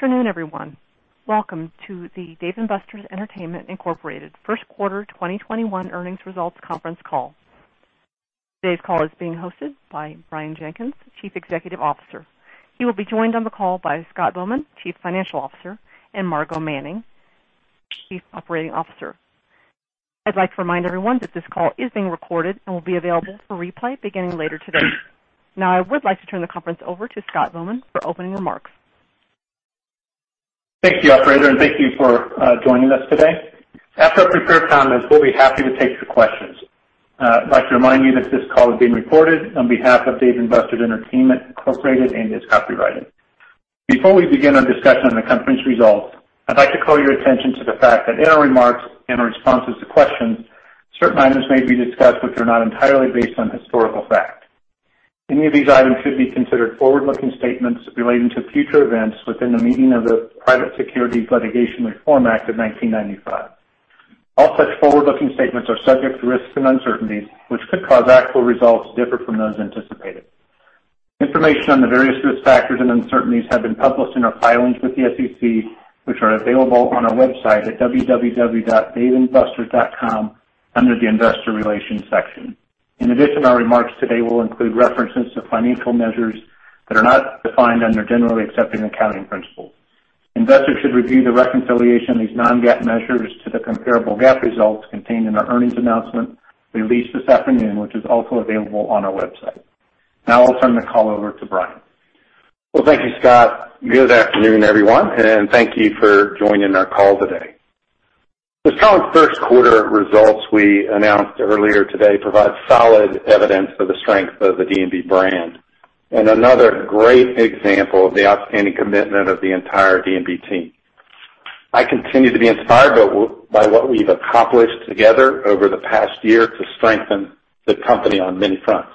Good afternoon, everyone. Welcome to the Dave & Buster's Entertainment, Inc. first quarter 2021 earnings results conference call. Today's call is being hosted by Kevin Sheehan, Chief Executive Officer. He will be joined on the call by Michael Quartieri, Chief Financial Officer, and Margo Manning, Chief Operating Officer. I'd like to remind everyone that this call is being recorded and will be available for replay beginning later today. Now, I would like to turn the conference over to Michael Quartieri for opening remarks. Thank you, operator. Thank you for joining us today. After prepared comments, we'll be happy to take your questions. I'd like to remind you that this call is being recorded on behalf of Dave & Buster's Entertainment, Inc. and is copyrighted. Before we begin our discussion on the conference results, I'd like to call your attention to the fact that in our remarks and responses to questions, certain items may be discussed which are not entirely based on historical fact. Any of these items should be considered forward-looking statements relating to future events within the meaning of the Private Securities Litigation Reform Act of 1995. All such forward-looking statements are subject to risks and uncertainties, which could cause actual results to differ from those anticipated. Information on the various risk factors and uncertainties have been published in our filings with the SEC, which are available on our website at www.daveandbusters.com under the Investor Relations section. In addition, our remarks today will include references to financial measures that are not defined under Generally Accepted Accounting Principles. Investors should review the reconciliation of these non-GAAP measures to the comparable GAAP results contained in our earnings announcement released this afternoon, which is also available on our website. Now I'll turn the call over to Sheehan. Thank you, Michael. Good afternoon, everyone, and thank you for joining our call today. The strong first quarter results we announced earlier today provide solid evidence for the strength of the D&B brand and another great example of the outstanding commitment of the entire D&B team. I continue to be inspired by what we've accomplished together over the past year to strengthen the company on many fronts.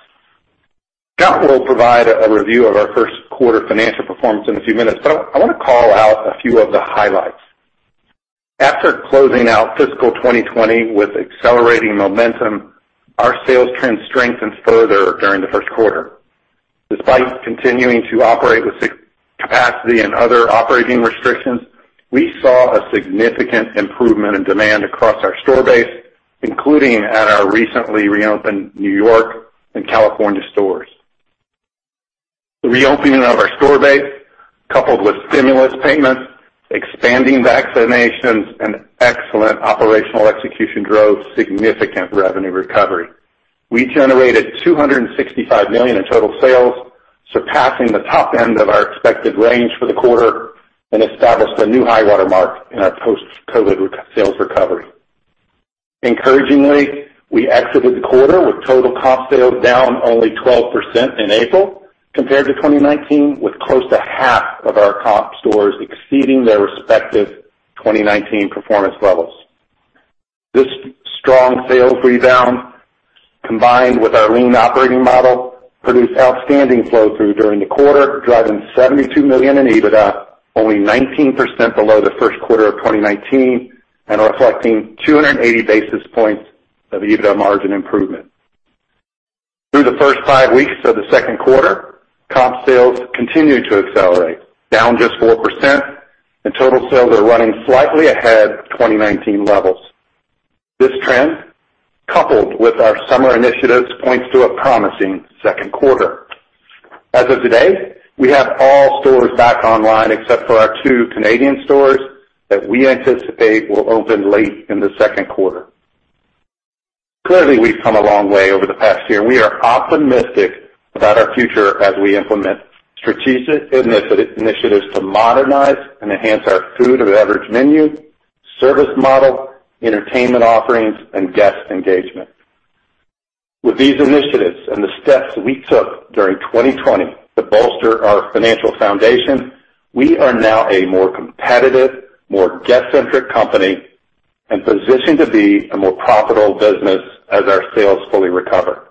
Michael will provide a review of our first quarter financial performance in a few minutes. I want to call out a few of the highlights. After closing out fiscal 2020 with accelerating momentum, our sales trend strengthened further during the first quarter. Despite continuing to operate with capacity and other operating restrictions, we saw a significant improvement in demand across our store base, including at our recently reopened New York and California stores. The reopening of our store base, coupled with stimulus payments, expanding vaccinations, and excellent operational execution drove significant revenue recovery. We generated $265 million in total sales, surpassing the top end of our expected range for the quarter and established a new high water mark in our post-COVID sales recovery. Encouragingly, we exited the quarter with total comp sales down only 12% in April compared to 2019, with close to half of our comp stores exceeding their respective 2019 performance levels. This strong sales rebound, combined with our lean operating model, produced outstanding flow through during the quarter, driving $72 million in EBITDA, only 19% below the first quarter of 2019, and reflecting 280 basis points of EBITDA margin improvement. Through the first five weeks of the second quarter, comp sales continued to accelerate, down just 4%, and total sales are running slightly ahead of 2019 levels. This trend, coupled with our summer initiatives, points to a promising second quarter. As of today, we have all stores back online except for our two Canadian stores that we anticipate will open late in the second quarter. Clearly, we've come a long way over the past year, and we are optimistic about our future as we implement strategic initiatives to modernize and enhance our food and beverage menu, service model, entertainment offerings, and guest engagement. With these initiatives and the steps we took during 2020 to bolster our financial foundation, we are now a more competitive, more guest-centric company and positioned to be a more profitable business as our sales fully recover.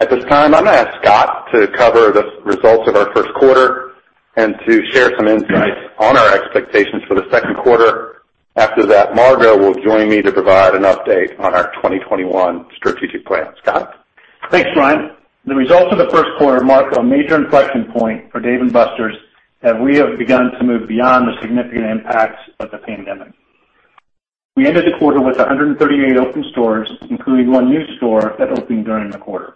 At this time, I'm going to ask Michael to cover the results of our first quarter and to share some insights on our expectations for the second quarter. After that, Margo will join me to provide an update on our 2021 strategic plan. Michael Quartieri? Thanks, Sheehan. The results of the first quarter mark a major inflection point for Dave & Buster's, and we have begun to move beyond the significant impacts of the pandemic. We ended the quarter with 138 open stores, including one new store that opened during the quarter.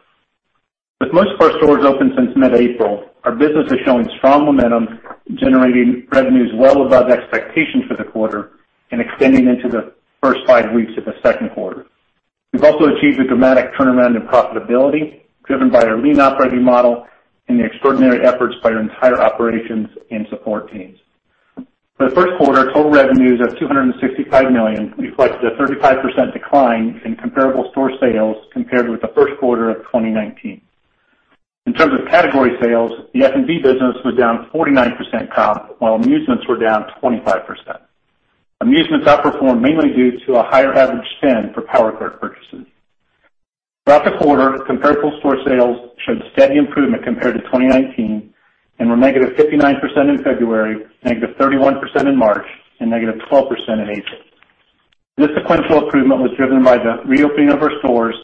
With most of our stores open since mid-April, our business is showing strong momentum, generating revenues well above expectations for the quarter and extending into the first five weeks of the second quarter. We've also achieved a dramatic turnaround in profitability, driven by our lean operating model and the extraordinary efforts by our entire operations and support teams. For the first quarter, total revenues of $265 million reflects a 35% decline in comparable store sales compared with the first quarter of 2019. In terms of category sales, the F&B business was down 49% comp, while amusements were down 25%. Amusements outperformed mainly due to a higher average spend for Power Card purchases. Throughout the quarter, comparable store sales showed steady improvement compared to 2019 and were -59% in February, -31% in March, and -12% in April. This sequential improvement was driven by the reopening of our stores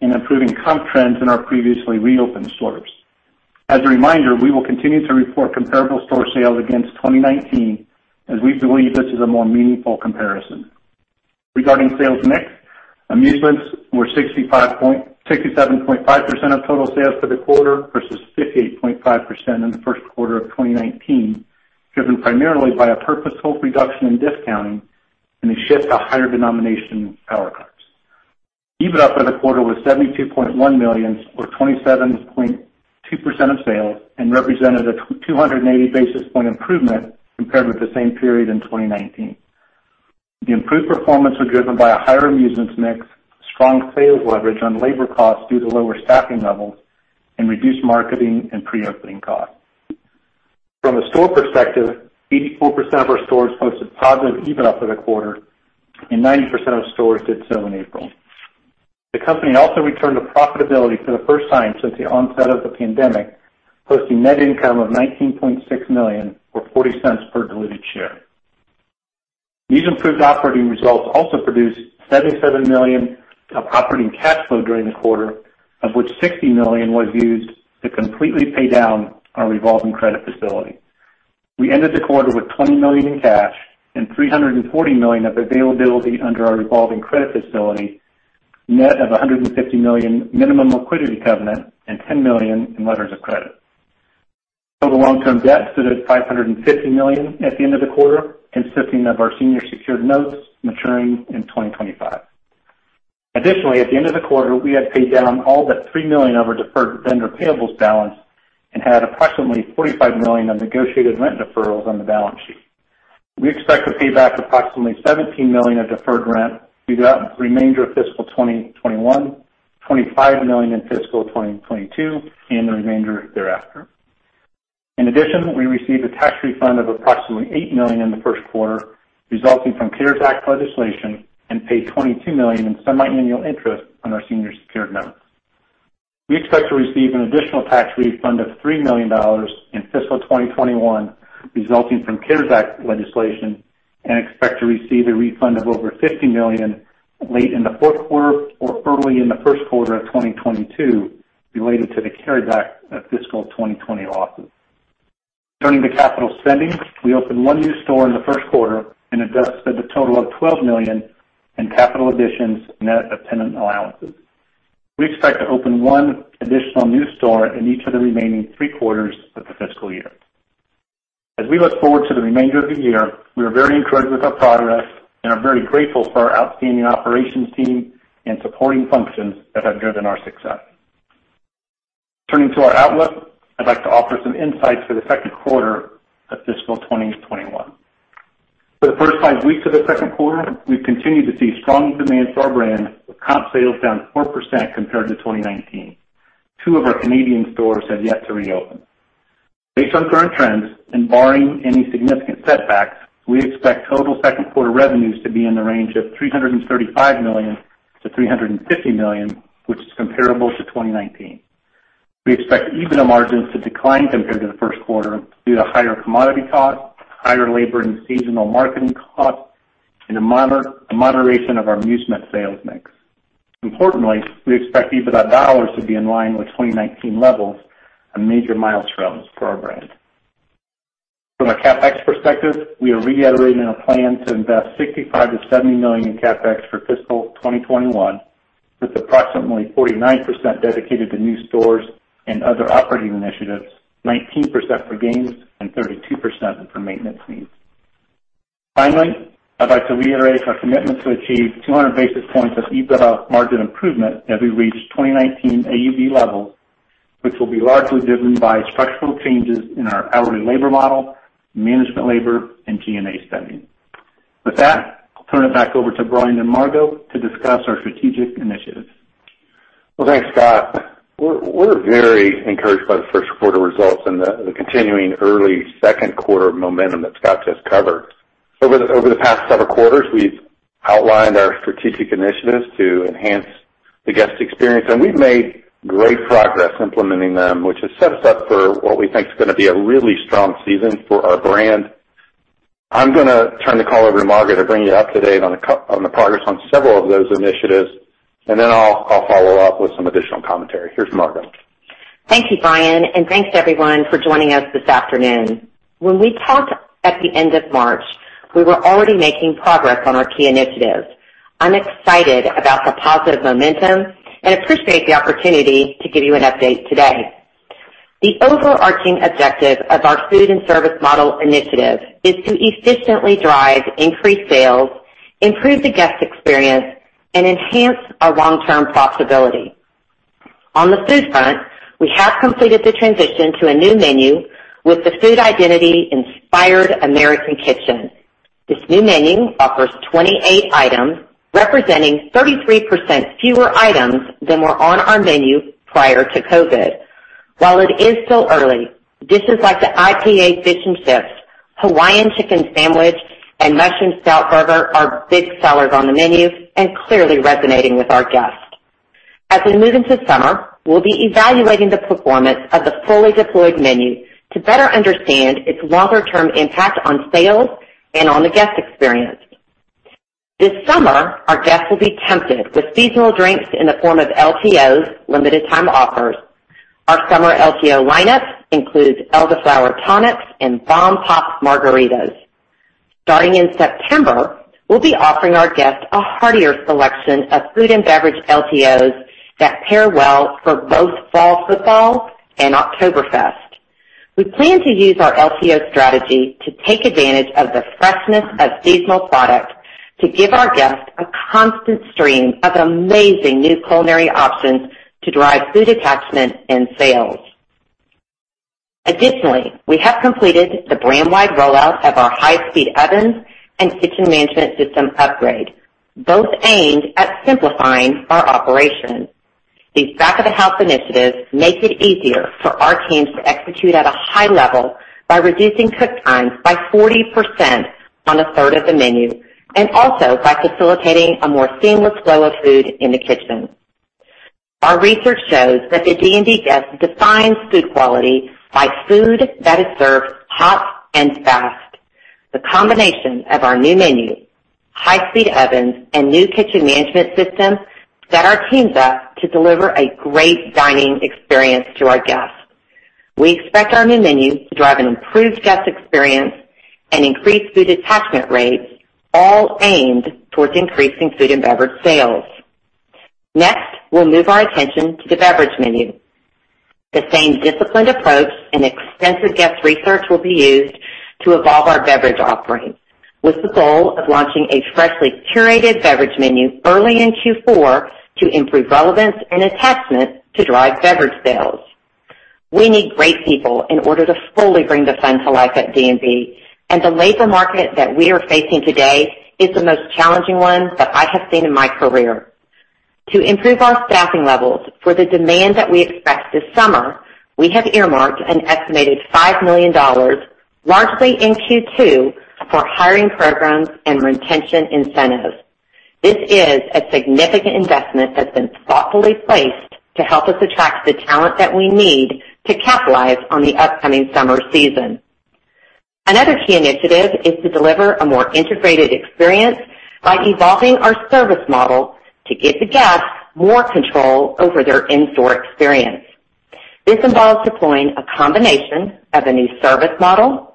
and improving comp trends in our previously reopened stores. As a reminder, we will continue to report comparable store sales against 2019, as we believe this is a more meaningful comparison. Regarding sales mix, amusements were 67.5% of total sales for the quarter versus 58.5% in the first quarter of 2019, driven primarily by a purposeful reduction in discounting and a shift to higher denomination Power Cards. EBITDA for the quarter was $72.1 million, or 27.2% of sales, and represented a 280 basis point improvement compared with the same period in 2019. The improved performance was driven by a higher amusements mix, strong sales leverage on labor costs due to lower staffing levels, and reduced marketing and pre-opening costs. From a store perspective, 84% of our stores posted positive EBITDA for the quarter, and 90% of stores did so in April. The company also returned to profitability for the first time since the onset of the pandemic, posting net income of $19.6 million, or $0.40 per diluted share. These improved operating results also produced $77 million of operating cash flow during the quarter, of which $60 million was used to completely pay down our revolving credit facility. We ended the quarter with $20 million in cash and $340 million of availability under our revolving credit facility, net of $150 million minimum liquidity covenant and $10 million in letters of credit. Total long-term debt stood at $550 million at the end of the quarter, consisting of our senior secured notes maturing in 2025. Additionally, at the end of the quarter, we had paid down all but $3 million of our deferred vendor payables balance and had approximately $45 million of negotiated rent deferrals on the balance sheet. We expect to pay back approximately $17 million of deferred rent throughout the remainder of fiscal 2021, $25 million in fiscal 2022, and the remainder thereafter. In addition, we received a tax refund of approximately $8 million in the first quarter, resulting from CARES Act legislation, and paid $22 million in semiannual interest on our senior secured note. We expect to receive an additional tax refund of $3 million in fiscal 2021 resulting from CARES Act legislation, and expect to receive a refund of over $50 million late in the fourth quarter or early in the first quarter of 2022 related to the carryback of fiscal 2020 losses. Turning to capital spending, we opened one new store in the first quarter and it does spend a total of $12 million in capital additions, net of tenant allowances. We expect to open one additional new store in each of the remaining three quarters of the fiscal year. We look forward to the remainder of the year, we are very encouraged with our progress and are very grateful for our outstanding operations team and supporting functions that have driven our success. Turning to our outlook, I'd like to offer some insights for the second quarter of fiscal 2021. For the first five weeks of the second quarter, we've continued to see strong demand for our brand, with comp sales down 4% compared to 2019. Two of our Canadian stores have yet to reopen. Based on current trends, and barring any significant setbacks, we expect total second quarter revenues to be in the range of $335 million-$350 million, which is comparable to 2019. We expect EBITDA margins to decline compared to the first quarter due to higher commodity costs, higher labor and seasonal marketing costs, and a moderation of our amusement sales mix. Importantly, we expect EBITDA dollars to be in line with 2019 levels, a major milestone for our brand. From a CapEx perspective, we are reiterating our plan to invest $65-$70 million in CapEx for fiscal 2021, with approximately 49% dedicated to new stores and other operating initiatives, 19% for games, and 32% for maintenance needs. Finally, I'd like to reiterate our commitment to achieve 200 basis points of EBITDA margin improvement as we reach 2019 AUV levels, which will be largely driven by structural changes in our hourly labor model, management labor, and G&A spending. With that, I'll turn it back over to Sheehan and Margo to discuss our strategic initiatives. Well, thanks, Michael Quartieri. We're very encouraged by the first quarter results and the continuing early second quarter momentum that Michael Quartieri just covered. Over the past several quarters, we've outlined our strategic initiatives to enhance the guest experience, and we've made great progress implementing them, which has set us up for what we think is going to be a really strong season for our brand. I'm going to turn the call over to Margo Manning to bring you up to date on the progress on several of those initiatives, then I'll follow up with some additional commentary. Here's Margo. Thank you, Sheehan, and thanks to everyone for joining us this afternoon. When we talked at the end of March, we were already making progress on our key initiatives. I'm excited about the positive momentum and appreciate the opportunity to give you an update today. The overarching objective of our food and service model initiative is to efficiently drive increased sales, improve the guest experience, and enhance our long-term profitability. On the food front, we have completed the transition to a new menu with the food identity Inspired American Kitchen. This new menu offers 28 items, representing 33% fewer items than were on our menu prior to COVID. While it is still early, dishes like the IPA Fish & Chips, Hawaiian Chicken Sandwich, and Mushroom Stout Burger are big sellers on the menu and clearly resonating with our guests. As we move into summer, we'll be evaluating the performance of the fully deployed menu to better understand its longer-term impact on sales and on the guest experience. This summer, our guests will be tempted with seasonal drinks in the form of LTOs, limited time offers. Our summer LTO lineup includes Elderflower Tonics and Bomb Pop Margaritas. Starting in September, we'll be offering our guests a heartier selection of food and beverage LTOs that pair well for both fall football and Oktoberfest. We plan to use our LTO strategy to take advantage of the freshness of seasonal products to give our guests a constant stream of amazing new culinary options to drive food attachment and sales. Additionally, we have completed the brand-wide rollout of our high-speed ovens and kitchen management system upgrade, both aimed at simplifying our operations. These back-of-the-house initiatives make it easier for our teams to execute at a high level by reducing cook times by 40% on a third of the menu, and also by facilitating a more seamless flow of food in the kitchen. Our research shows that the D&B guest defines food quality by food that is served hot and fast. The combination of our new menu, high-speed ovens, and new kitchen management system set our teams up to deliver a great dining experience to our guests. We expect our new menu to drive an improved guest experience and increase food attachment rates, all aimed towards increasing food and beverage sales. Next, we'll move our attention to the beverage menu. The same disciplined approach and extensive guest research will be used to evolve our beverage offerings, with the goal of launching a freshly curated beverage menu early in Q4 to improve relevance and attachment to drive beverage sales. We need great people in order to fully bring the fun to life at D&B, and the labor market that we are facing today is the most challenging one that I have seen in my career. To improve our staffing levels for the demand that we expect this summer, we have earmarked an estimated $5 million, largely in Q2, for hiring programs and retention incentives. This is a significant investment that's been thoughtfully placed to help us attract the talent that we need to capitalize on the upcoming summer season. Another key initiative is to deliver a more integrated experience by evolving our service model to give the guests more control over their in-store experience. This involves deploying a combination of a new service model,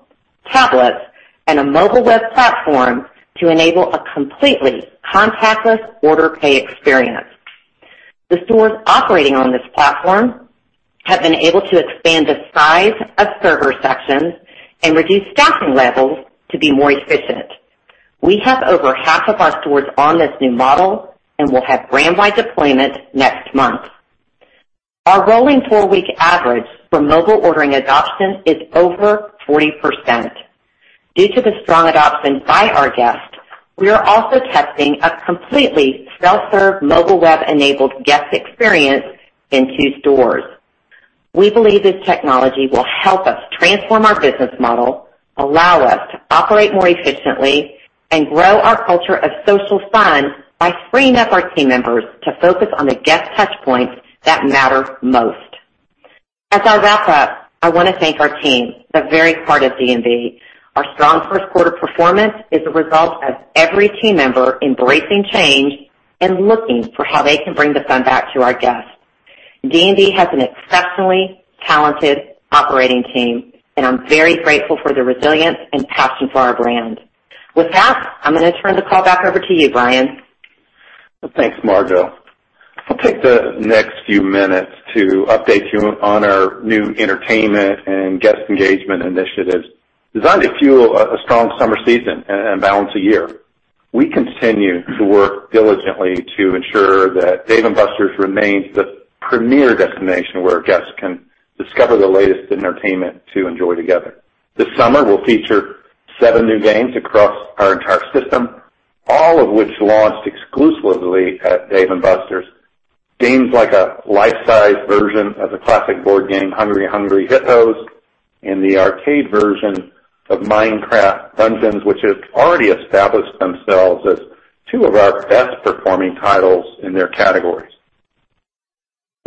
tablets, and a mobile web platform to enable a completely contactless order pay experience. The stores operating on this platform have been able to expand the size of server sections and reduce staffing levels to be more efficient. We have over half of our stores on this new model and will have brand wide deployment next month. Our rolling four-week average for mobile ordering adoption is over 40%. Due to the strong adoption by our guests, we are also testing a completely self-serve mobile web-enabled guest experience in two stores. We believe this technology will help us transform our business model, allow us to operate more efficiently, and grow our culture of social fun by freeing up our team members to focus on the guest touch points that matter most. As I wrap up, I want to thank our team, the very heart of D&B. Our strong first quarter performance is a result of every team member embracing change and looking for how they can bring the fun back to our guests. D&B has an exceptionally talented operating team. I'm very grateful for their resilience and passion for our brand. With that, I'm going to turn the call back over to you, Sheehan. Well, thanks, Margo. I'll take the next few minutes to update you on our new entertainment and guest engagement initiatives designed to fuel a strong summer season and balance a year. We continue to work diligently to ensure that Dave & Buster's remains the premier destination where guests can discover the latest entertainment to enjoy together. This summer, we'll feature seven new games across our entire system, all of which launched exclusively at Dave & Buster's. Games like a life-size version of the classic board game Hungry Hungry Hippos and the arcade version of Minecraft Dungeons, which have already established themselves as two of our best performing titles in their categories.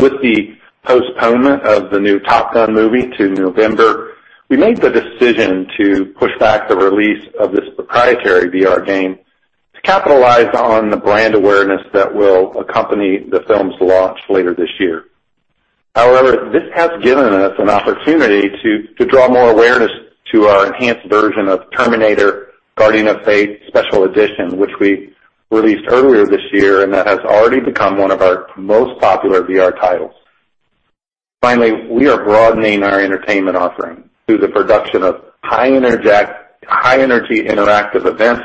With the postponement of the new "Top Gun" movie to November, we made the decision to push back the release of this proprietary VR game to capitalize on the brand awareness that will accompany the film's launch later this year. However, this has given us an opportunity to draw more awareness to our enhanced version of "Terminator: Guardian of Fate Special Edition," which we released earlier this year and that has already become one of our most popular VR titles. Finally, we are broadening our entertainment offering through the production of high energy interactive events.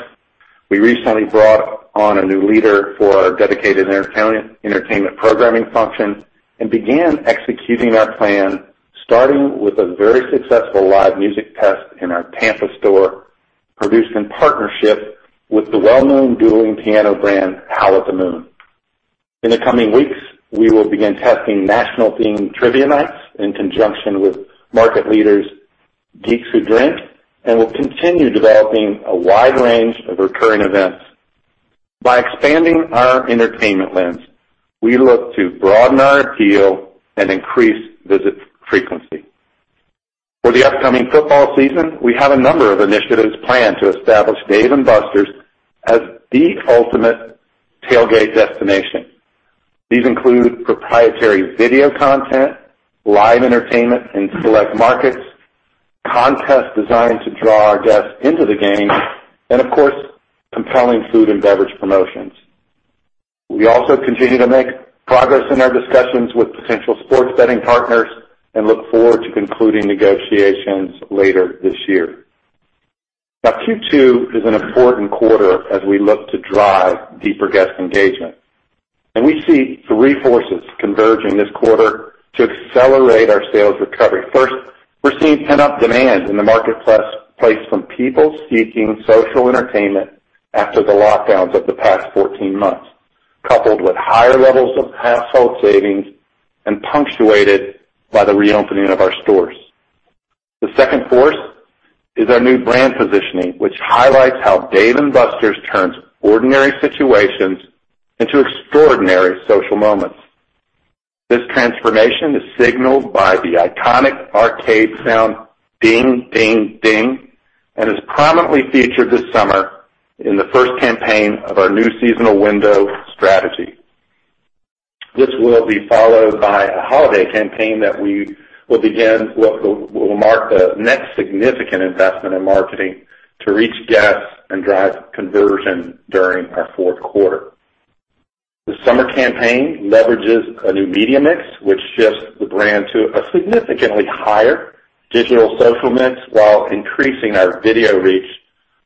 We recently brought on a new leader for our dedicated entertainment programming function and began executing our plan, starting with a very successful live music test in our Tampa store, produced in partnership with the well-known dueling piano brand Howl at the Moon. In the coming weeks, we will begin testing national themed trivia nights in conjunction with market leaders Geeks Who Drink. We'll continue developing a wide range of recurring events. By expanding our entertainment lens, we look to broaden our appeal and increase visit frequency. For the upcoming football season, we have a number of initiatives planned to establish Dave & Buster's as the ultimate tailgate destination. These include proprietary video content, live entertainment in select markets, contests designed to draw our guests into the game, and of course, compelling food and beverage promotions. We also continue to make progress in our discussions with potential sports betting partners and look forward to concluding negotiations later this year. Q2 is an important quarter as we look to drive deeper guest engagement. We see three forces converging this quarter to accelerate our sales recovery. First, we're seeing pent-up demand in the marketplace from people seeking social entertainment after the lockdowns of the past 14 months, coupled with higher levels of household savings and punctuated by the reopening of our stores. The second force is our new brand positioning, which highlights how Dave & Buster's turns ordinary situations into extraordinary social moments. This transformation is signaled by the iconic arcade sound, "Ding, ding," and is prominently featured this summer in the first campaign of our new seasonal window strategy. This will be followed by a holiday campaign that will mark the next significant investment in marketing to reach guests and drive conversion during our fourth quarter. The summer campaign leverages a new media mix, which shifts the brand to a significantly higher digital social mix while increasing our video reach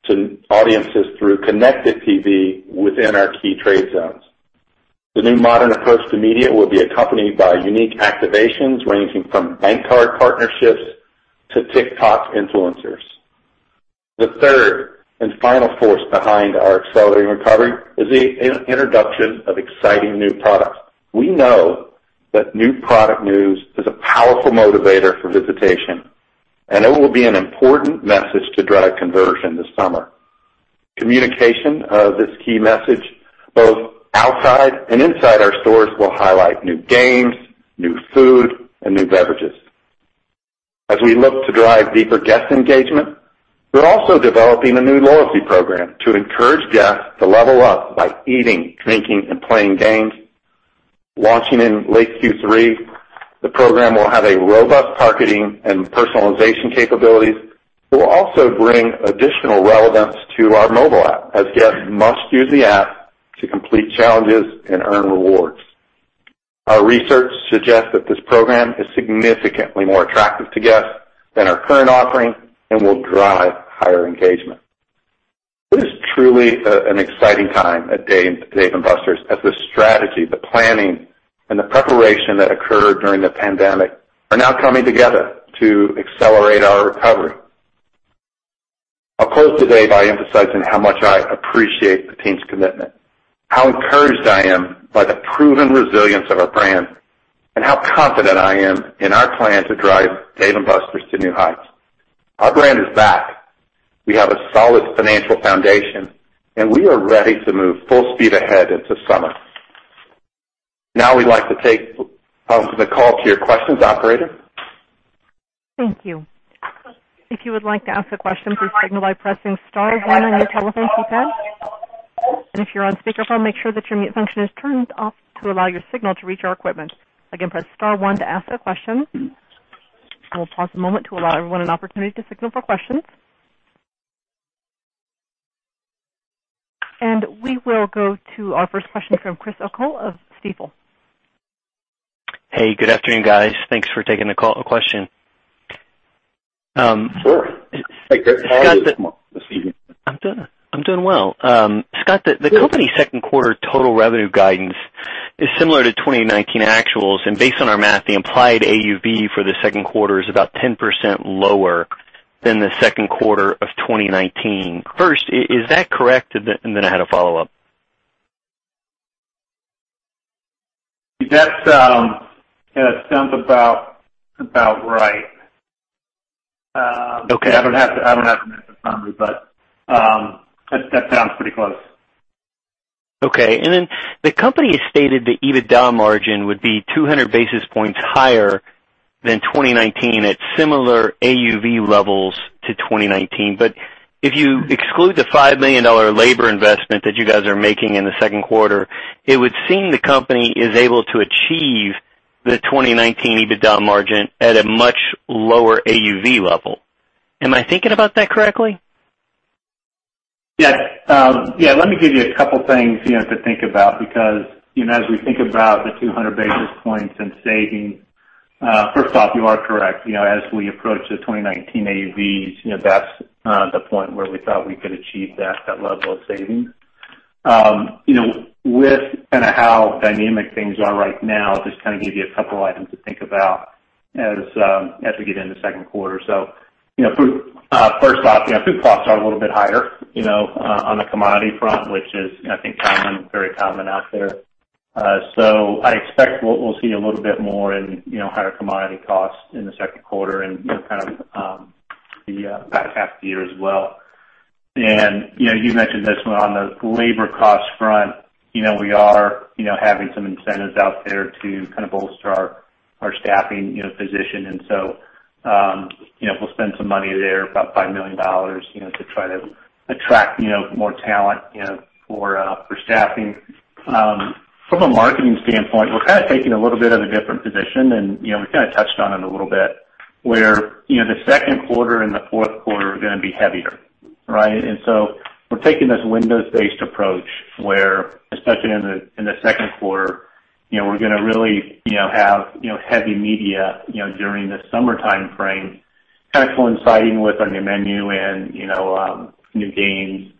to audiences through connected TV within our key trade zones. The new modern approach to media will be accompanied by unique activations ranging from bank card partnerships to TikTok influencers. The third and final force behind our accelerating recovery is the introduction of exciting new products. We know that new product news is a powerful motivator for visitation, and it will be an important message to drive conversion this summer. Communication of this key message, both outside and inside our stores, will highlight new games, new food, and new beverages. As we look to drive deeper guest engagement, we're also developing a new loyalty program to encourage guests to level up by eating, drinking, and playing games. Launching in late Q3, the program will have robust targeting and personalization capabilities. We'll also bring additional relevance to our mobile app, as guests must use the app to complete challenges and earn rewards. Our research suggests that this program is significantly more attractive to guests than our current offering and will drive higher engagement. It is truly an exciting time at Dave & Buster's as the strategy, the planning, and the preparation that occurred during the pandemic are now coming together to accelerate our recovery. I'll close today by emphasizing how much I appreciate the team's commitment, how encouraged I am by the proven resilience of our brand, and how confident I am in our plan to drive Dave & Buster's to new heights. Our brand is back. We have a solid financial foundation, and we are ready to move full speed ahead into summer. Now we'd like to take the call to your questions, operator. Thank you. If you would like to ask a question, please signalize by pressing star one on your telephone keypad. And if you are on a speaker phone, make sure that your mute function is turned off to allow your signal to reach our equipment. Again press one to ask a question, and we'll pause a moment to allow everyone an opportunity to signal for questions. We will go to our first question from Chris O'Cull of Stifel. Hey, good afternoon, guys. Thanks for taking a call. A question. Sure. Hey, good morning. I'm doing well. Michael, the company's second quarter total revenue guidance is similar to 2019 actuals, and based on our math, the implied AUV for the second quarter is about 10% lower than the second quarter of 2019. First, is that correct? I had a follow-up. That sounds about right. Okay. I don't have the number in front of me, but that sounds pretty close. Okay. The company stated the EBITDA margin would be 200 basis points higher than 2019 at similar AUV levels to 2019. If you exclude the $5 million labor investment that you guys are making in the second quarter, it would seem the company is able to achieve the 2019 EBITDA margin at a much lower AUV level. Am I thinking about that correctly? Yes. Let me give you a couple things to think about, because as we think about the 200 basis points in savings, first off, you are correct. As we approach the 2019 AUV, that's the point where we thought we could achieve that level of savings. With how dynamic things are right now, I'll just give you a couple items to think about as we get into the second quarter. First off, food costs are a little bit higher on the commodity front, which is, I think, very common out there. I expect we'll see a little bit more in higher commodity costs in the second quarter and kind of the back half of the year as well. You mentioned this one on the labor cost front. We are having some incentives out there to kind of bolster our staffing position. We'll spend some money there, about $5 million, to try to attract more talent for staffing. From a marketing standpoint, we're kind of taking a little bit of a different position, and we kind of touched on it a little bit, where the second quarter and the fourth quarter are going to be heavier, right? We're taking this windows-based approach where, especially in the second quarter, we're going to really have heavy media during the summer timeframe, kind of coinciding with our new menu and new games.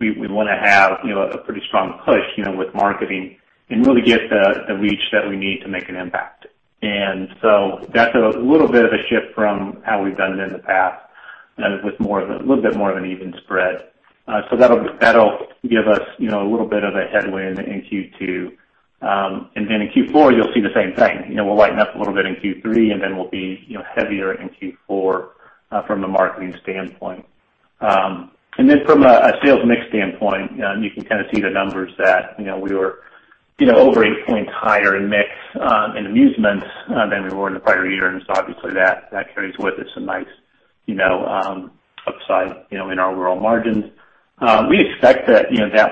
We want to have a pretty strong push with marketing and really get the reach that we need to make an impact. That's a little bit of a shift from how we've done it in the past and with a little bit more of an even spread. That'll give us a little bit of a headwind in Q2. In Q4, you'll see the same thing. We'll lighten up a little bit in Q3, and then we'll be heavier in Q4 from the marketing standpoint. From a sales mix standpoint, you can kind of see the numbers that we were over eight points higher in mix in amusements than we were in prior years. Obviously, that carries with it some nice upside in our overall margins. We expect that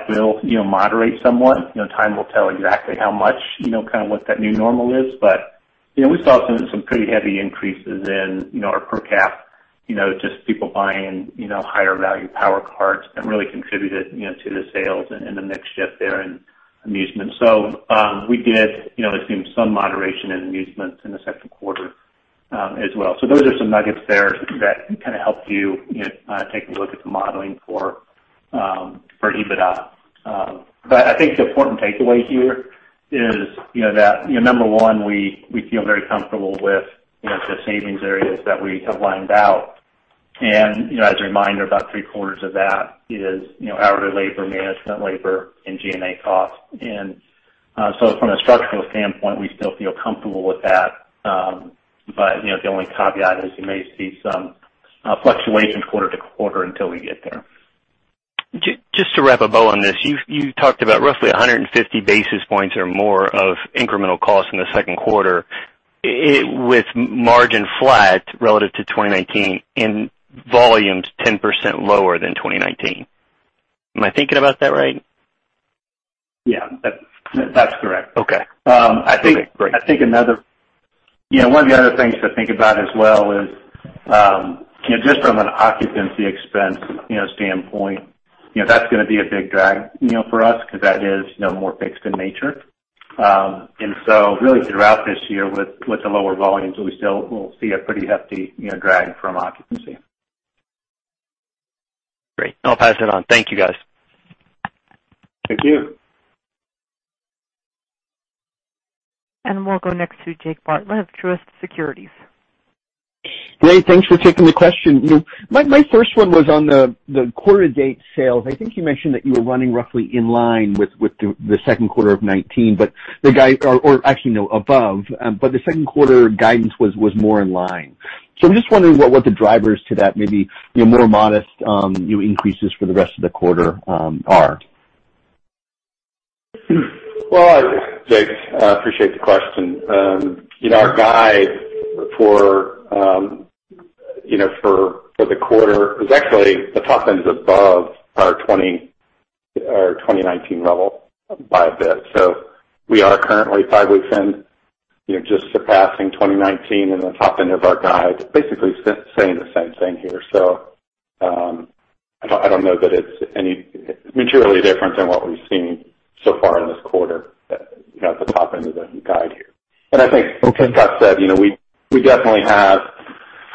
will moderate somewhat. Time will tell exactly how much, kind of what that new normal is. We saw some pretty heavy increases in our per capita, just people buying higher value Power Cards and really contributed to the sales and the mix shift there in amusement. We did assume some moderation in amusement in the second quarter as well. Those are some nuggets there that can kind of help you take a look at the modeling for EBITDA. I think the important takeaway here is that, number one, we feel very comfortable with the savings areas that we have lined out. As a reminder, about three-quarters of that is hourly labor, management labor, and G&A cost. From a structural standpoint, we still feel comfortable with that. The only caveat is you may see some fluctuation quarter to quarter until we get there. Just to wrap a bow on this. You talked about roughly 150 basis points or more of incremental cost in the second quarter with margin flat relative to 2019 and volumes 10% lower than 2019. Am I thinking about that right? Yeah, that's correct. Okay. I think one of the other things to think about as well is just from an occupancy expense standpoint, that's going to be a big drag for us because that is fixed in nature. Really throughout this year with the lower volumes, we still will see a pretty hefty drag from occupancy. Great. I'll pass it on. Thank you, guys. Thank you. We'll go next to Jake Bartlett, Truist Securities. Great, thanks for taking the question. My first one was on the quarter-to-date sales. I think you mentioned that you were running roughly in line with the second quarter of 2019, or actually, no, above, but the second quarter guidance was more in line. I'm just wondering what the drivers to that may be, more modest increases for the rest of the quarter are? Well, Jake, I appreciate the question. Our guide for the quarter is actually the top end's above our 2019 level by a bit. We are currently five weeks in, just surpassing 2019 in the top end of our guide. Basically saying the same thing here. I don't know that it's materially different than what we've seen so far this quarter at the top end of the guide here. I think, as Michael Quartieri said, we definitely have.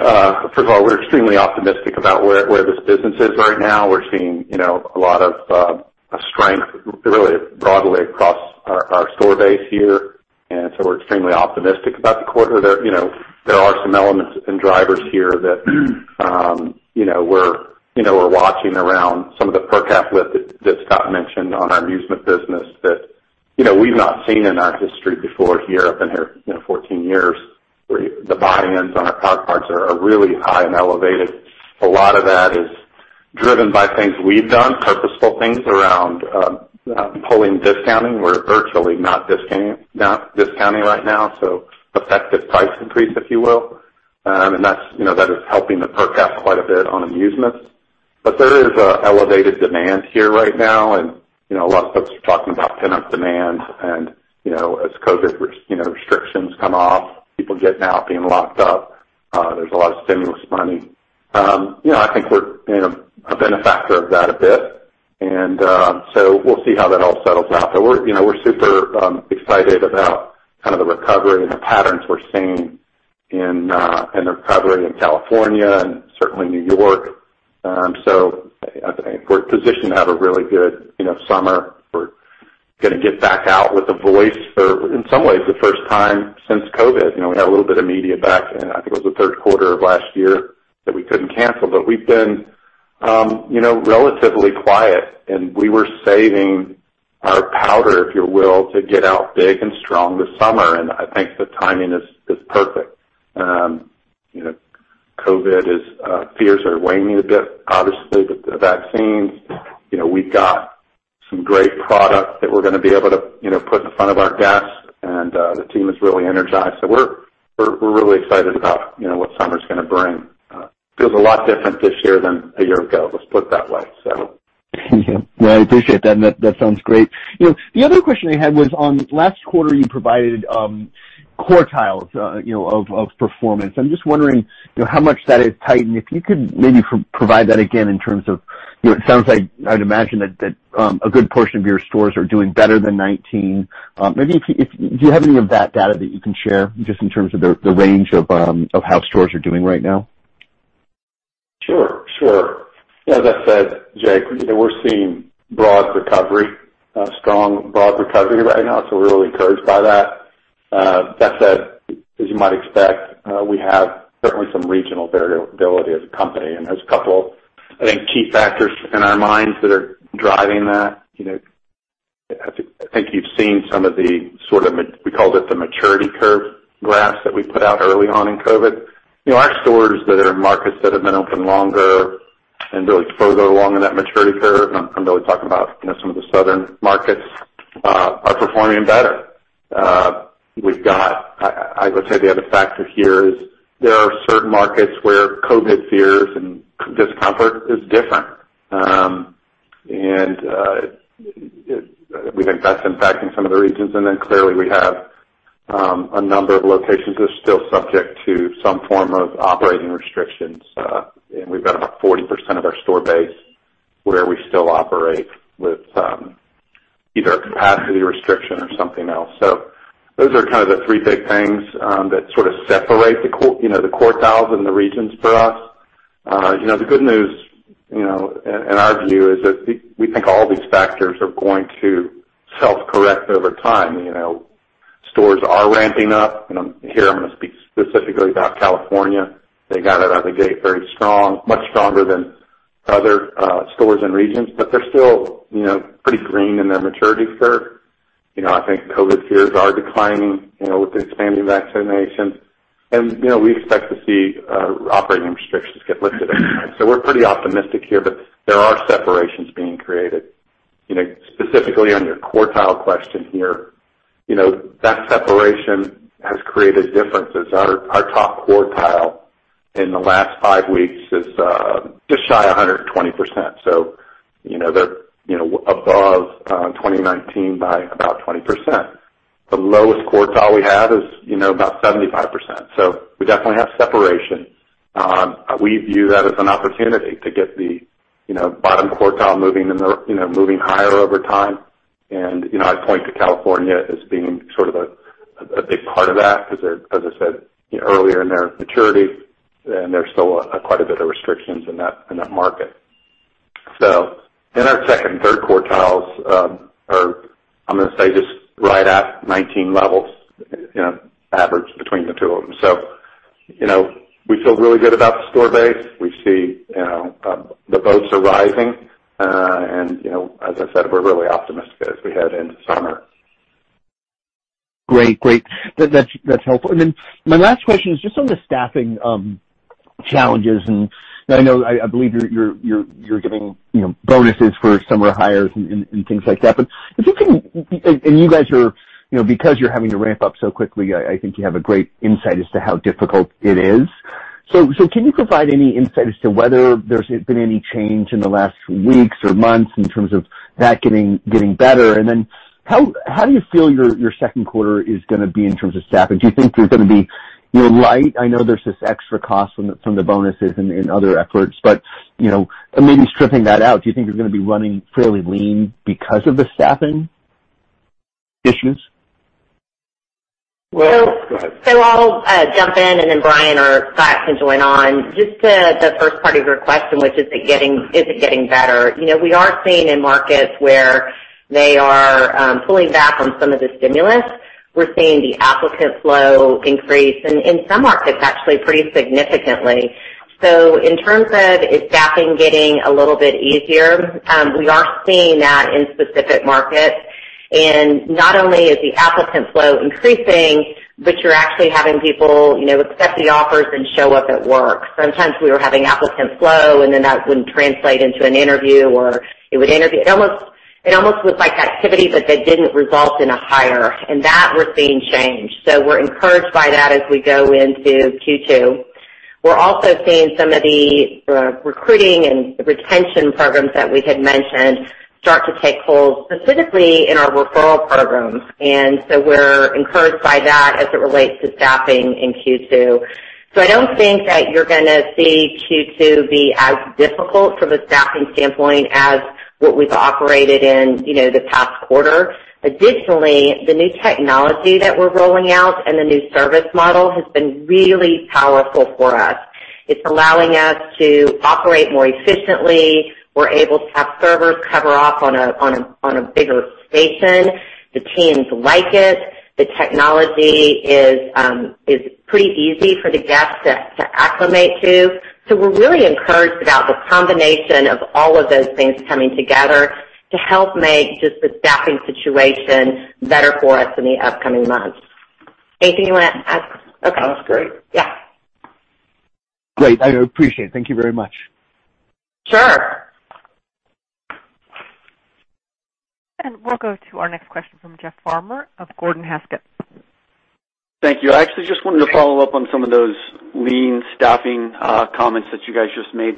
First of all, we're extremely optimistic about where this business is right now. We're seeing a lot of strength really broadly across our store base here, and so we're extremely optimistic about the quarter. There are some elements and drivers here that we're watching around some of the per caps that Michael Quartieri mentioned on our amusement business that we've not seen in our history before here in 14 years. The buy-ins on our Power Cards are really high and elevated. A lot of that is driven by things we've done, purposeful things around pulling discounting. We're virtually not discounting right now, so effective price increase, if you will. That is helping the per capita quite a bit on amusements. There is an elevated demand here right now, and a lot of folks are talking about pent-up demand. As COVID restrictions come off, people get now being locked up. There's a lot of stimulus money. I think we're a benefactor of that a bit, we'll see how that all settles out. We're super excited about kind of the recovery and the patterns we're seeing in the recovery in California and certainly New York. I think we're positioned to have a really good summer for Going to get back out with a voice for, in some ways, the first time since COVID. We had a little bit of media back in, I think it was the third quarter of last year that we couldn't cancel. We've been relatively quiet, and we were saving our powder, if you will, to get out big and strong this summer, and I think the timing is perfect. COVID fears are waning a bit, obviously, with the vaccines. We've got some great product that we're going to be able to put in front of our guests, and the team is really energized. We're really excited about what summer's going to bring. Feels a lot different this year than one year ago, let's put it that way. Yeah. Well, I appreciate that, and that sounds great. The other question I had was on last quarter, you provided quartiles of performance. I'm just wondering how much that has tightened, if you could maybe provide that again in terms of, it sounds like, I would imagine that a good portion of your stores are doing better than 2019. Do you have any of that data that you can share just in terms of the range of how stores are doing right now? Sure. As I said, Jake, we're seeing broad recovery, a strong broad recovery right now. We're really encouraged by that. That said, as you might expect, we have certainly some regional variability as a company. There's a couple, I think, key factors in our minds that are driving that. I think you've seen some of the, we called it the maturity curve graphs that we put out early on in COVID. Our stores that are in markets that have been open longer and really further along in that maturity curve. I'm really talking about some of the southern markets, are performing better. I would say the other factor here is there are certain markets where COVID fears and discomfort is different. We think that's impacting some of the regions. Clearly, we have a number of locations that are still subject to some form of operating restrictions. We've got about 40% of our store base where we still operate with either a capacity restriction or something else. Those are kind of the three big things that sort of separate the quartiles and the regions for us. The good news, in our view, is that we think all these factors are going to self-correct over time. Stores are ramping up. Here I'm going to speak specifically about California. They got out of the gate very strong, much stronger than other stores and regions, but they're still pretty green in their maturity curve. I think COVID fears are declining with the expanding vaccinations. We expect to see operating restrictions get lifted over time. We're pretty optimistic here, but there are separations being created. Specifically on your quartile question here, that separation has created differences. Our top quartile in the last five weeks is just shy of 120%. They're above 2019 by about 20%. The lowest quartile we have is about 75%. We definitely have separation. We view that as an opportunity to get the bottom quartile moving higher over time. I point to California as being sort of a big part of that because as I said, earlier in their maturity, and there's still quite a bit of restrictions in that market. Our second and third quartiles are, I'm going to say, just right at 2019 levels, average between the two of them. We feel really good about the store base. We see the boats are rising. As I said, we're really optimistic as we head into summer. Great. That's helpful. My last question is just on the staffing challenges, and I believe you're giving bonuses for summer hires and things like that. If you can, and because you're having to ramp up so quickly, I think you have a great insight as to how difficult it is. Can you provide any insight as to whether there's been any change in the last weeks or months in terms of that getting better? How do you feel your second quarter is going to be in terms of staffing? Do you think you're going to be light? I know there's this extra cost from the bonuses and other efforts, but maybe stripping that out, do you think you're going to be running fairly lean because of the staffing issues? Well, go ahead. I'll jump in, and then Sheehan or Michael Quartieri can join on. Just to the first part of your question, which is it getting better? We are seeing in markets where they are pulling back on some of the stimulus, we are seeing the applicant flow increase, and in some markets, actually pretty significantly. In terms of is staffing getting a little bit easier, we are seeing that in specific markets. Not only is the applicant flow increasing, but you are actually having people accept the offers and show up at work. Sometimes we were having applicant flow, and then that would not translate into an interview, or it would interview. It almost was like activity, but that did not result in a hire. That we are seeing change. We are encouraged by that as we go into Q2. We're also seeing some of the recruiting and retention programs that we had mentioned start to take hold, specifically in our referral programs. We're encouraged by that as it relates to staffing in Q2. I don't think that you're going to see Q2 be as difficult from a staffing standpoint as what we've operated in the past quarter. Additionally, the new technology that we're rolling out and the new service model has been really powerful for us. It's allowing us to operate more efficiently. We're able to have servers cover off on a bigger station. The teams like it. The technology is pretty easy for the guests to acclimate to. We're really encouraged about the combination of all of those things coming together to help make just the staffing situation better for us in the upcoming months. Anything else? Okay. Great. Yeah. Great. I appreciate it. Thank you very much. Sure. We'll go to our next question from Jeff Farmer of Gordon Haskett. Thank you. I actually just wanted to follow up on some of those lean staffing comments that you guys just made.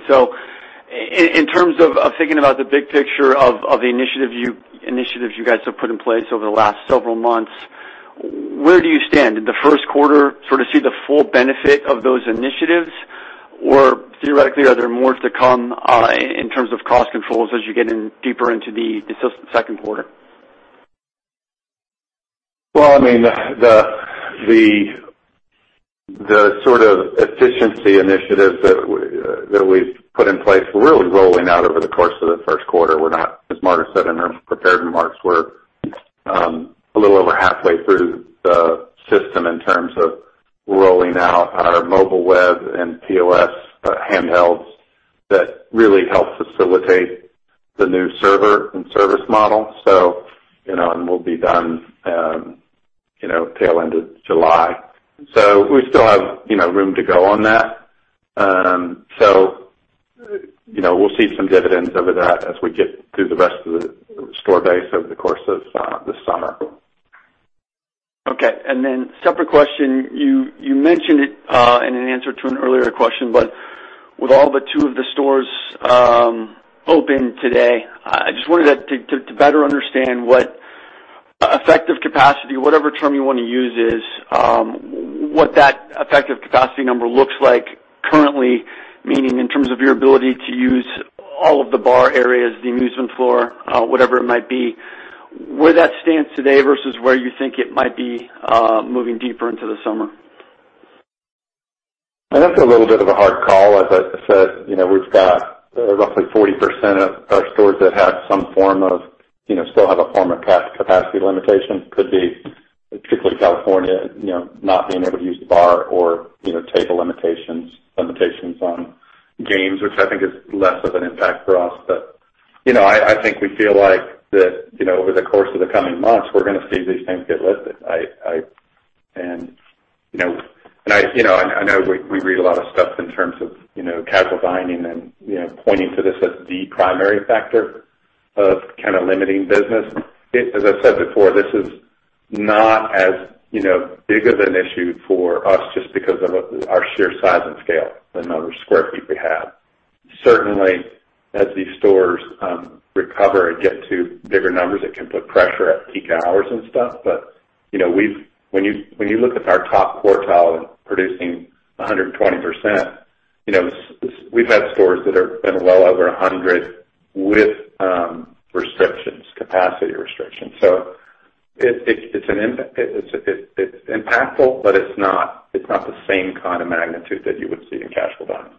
In terms of thinking about the big picture of the initiatives you guys have put in place over the last several months, where do you stand? Did the first quarter sort of see the full benefit of those initiatives? Theoretically, are there more to come in terms of cost controls as you get in deeper into the second quarter? The efficiency initiatives that we've put in place were really rolling out over the course of the first quarter. As Margo said in her prepared remarks, we're a little over halfway through the system in terms of rolling out our mobile web and POS handhelds that really help facilitate the new server and service model. We'll be done tail end of July. We still have room to go on that. We'll see some dividends over that as we get through the rest of the store base over the course of the summer. Okay. Separate question, you mentioned it in an answer to an earlier question, but with all but of the stores open today, I just wanted to better understand what effective capacity, whatever term you want to use is, what that effective capacity number looks like currently, meaning in terms of your ability to use all of the bar areas, the amusement floor, whatever it might be, where that stands today versus where you think it might be moving deeper into the summer. That's a little bit of a hard call. As I said, we've got roughly 40% of our stores that have some form of capacity limitations. Could be, particularly California, not being able to use the bar or table limitations on games, which I think is less of an impact for us. I think we feel like that over the course of the coming months, we're going to see these things get lifted. I know we read a lot of stuff in terms of casual dining and pointing to this as the primary factor of limiting business. As I said before, this is not as big of an issue for us just because of our sheer size and scale, the number of square feet we have. Certainly, as these stores recover and get to bigger numbers, it can put pressure at peak hours and stuff. When you look at our top quartile producing 120%, we've had stores that are been well over 100% with restrictions, capacity restrictions. It's impactful, but it's not the same kind of magnitude that you would see in casual dining.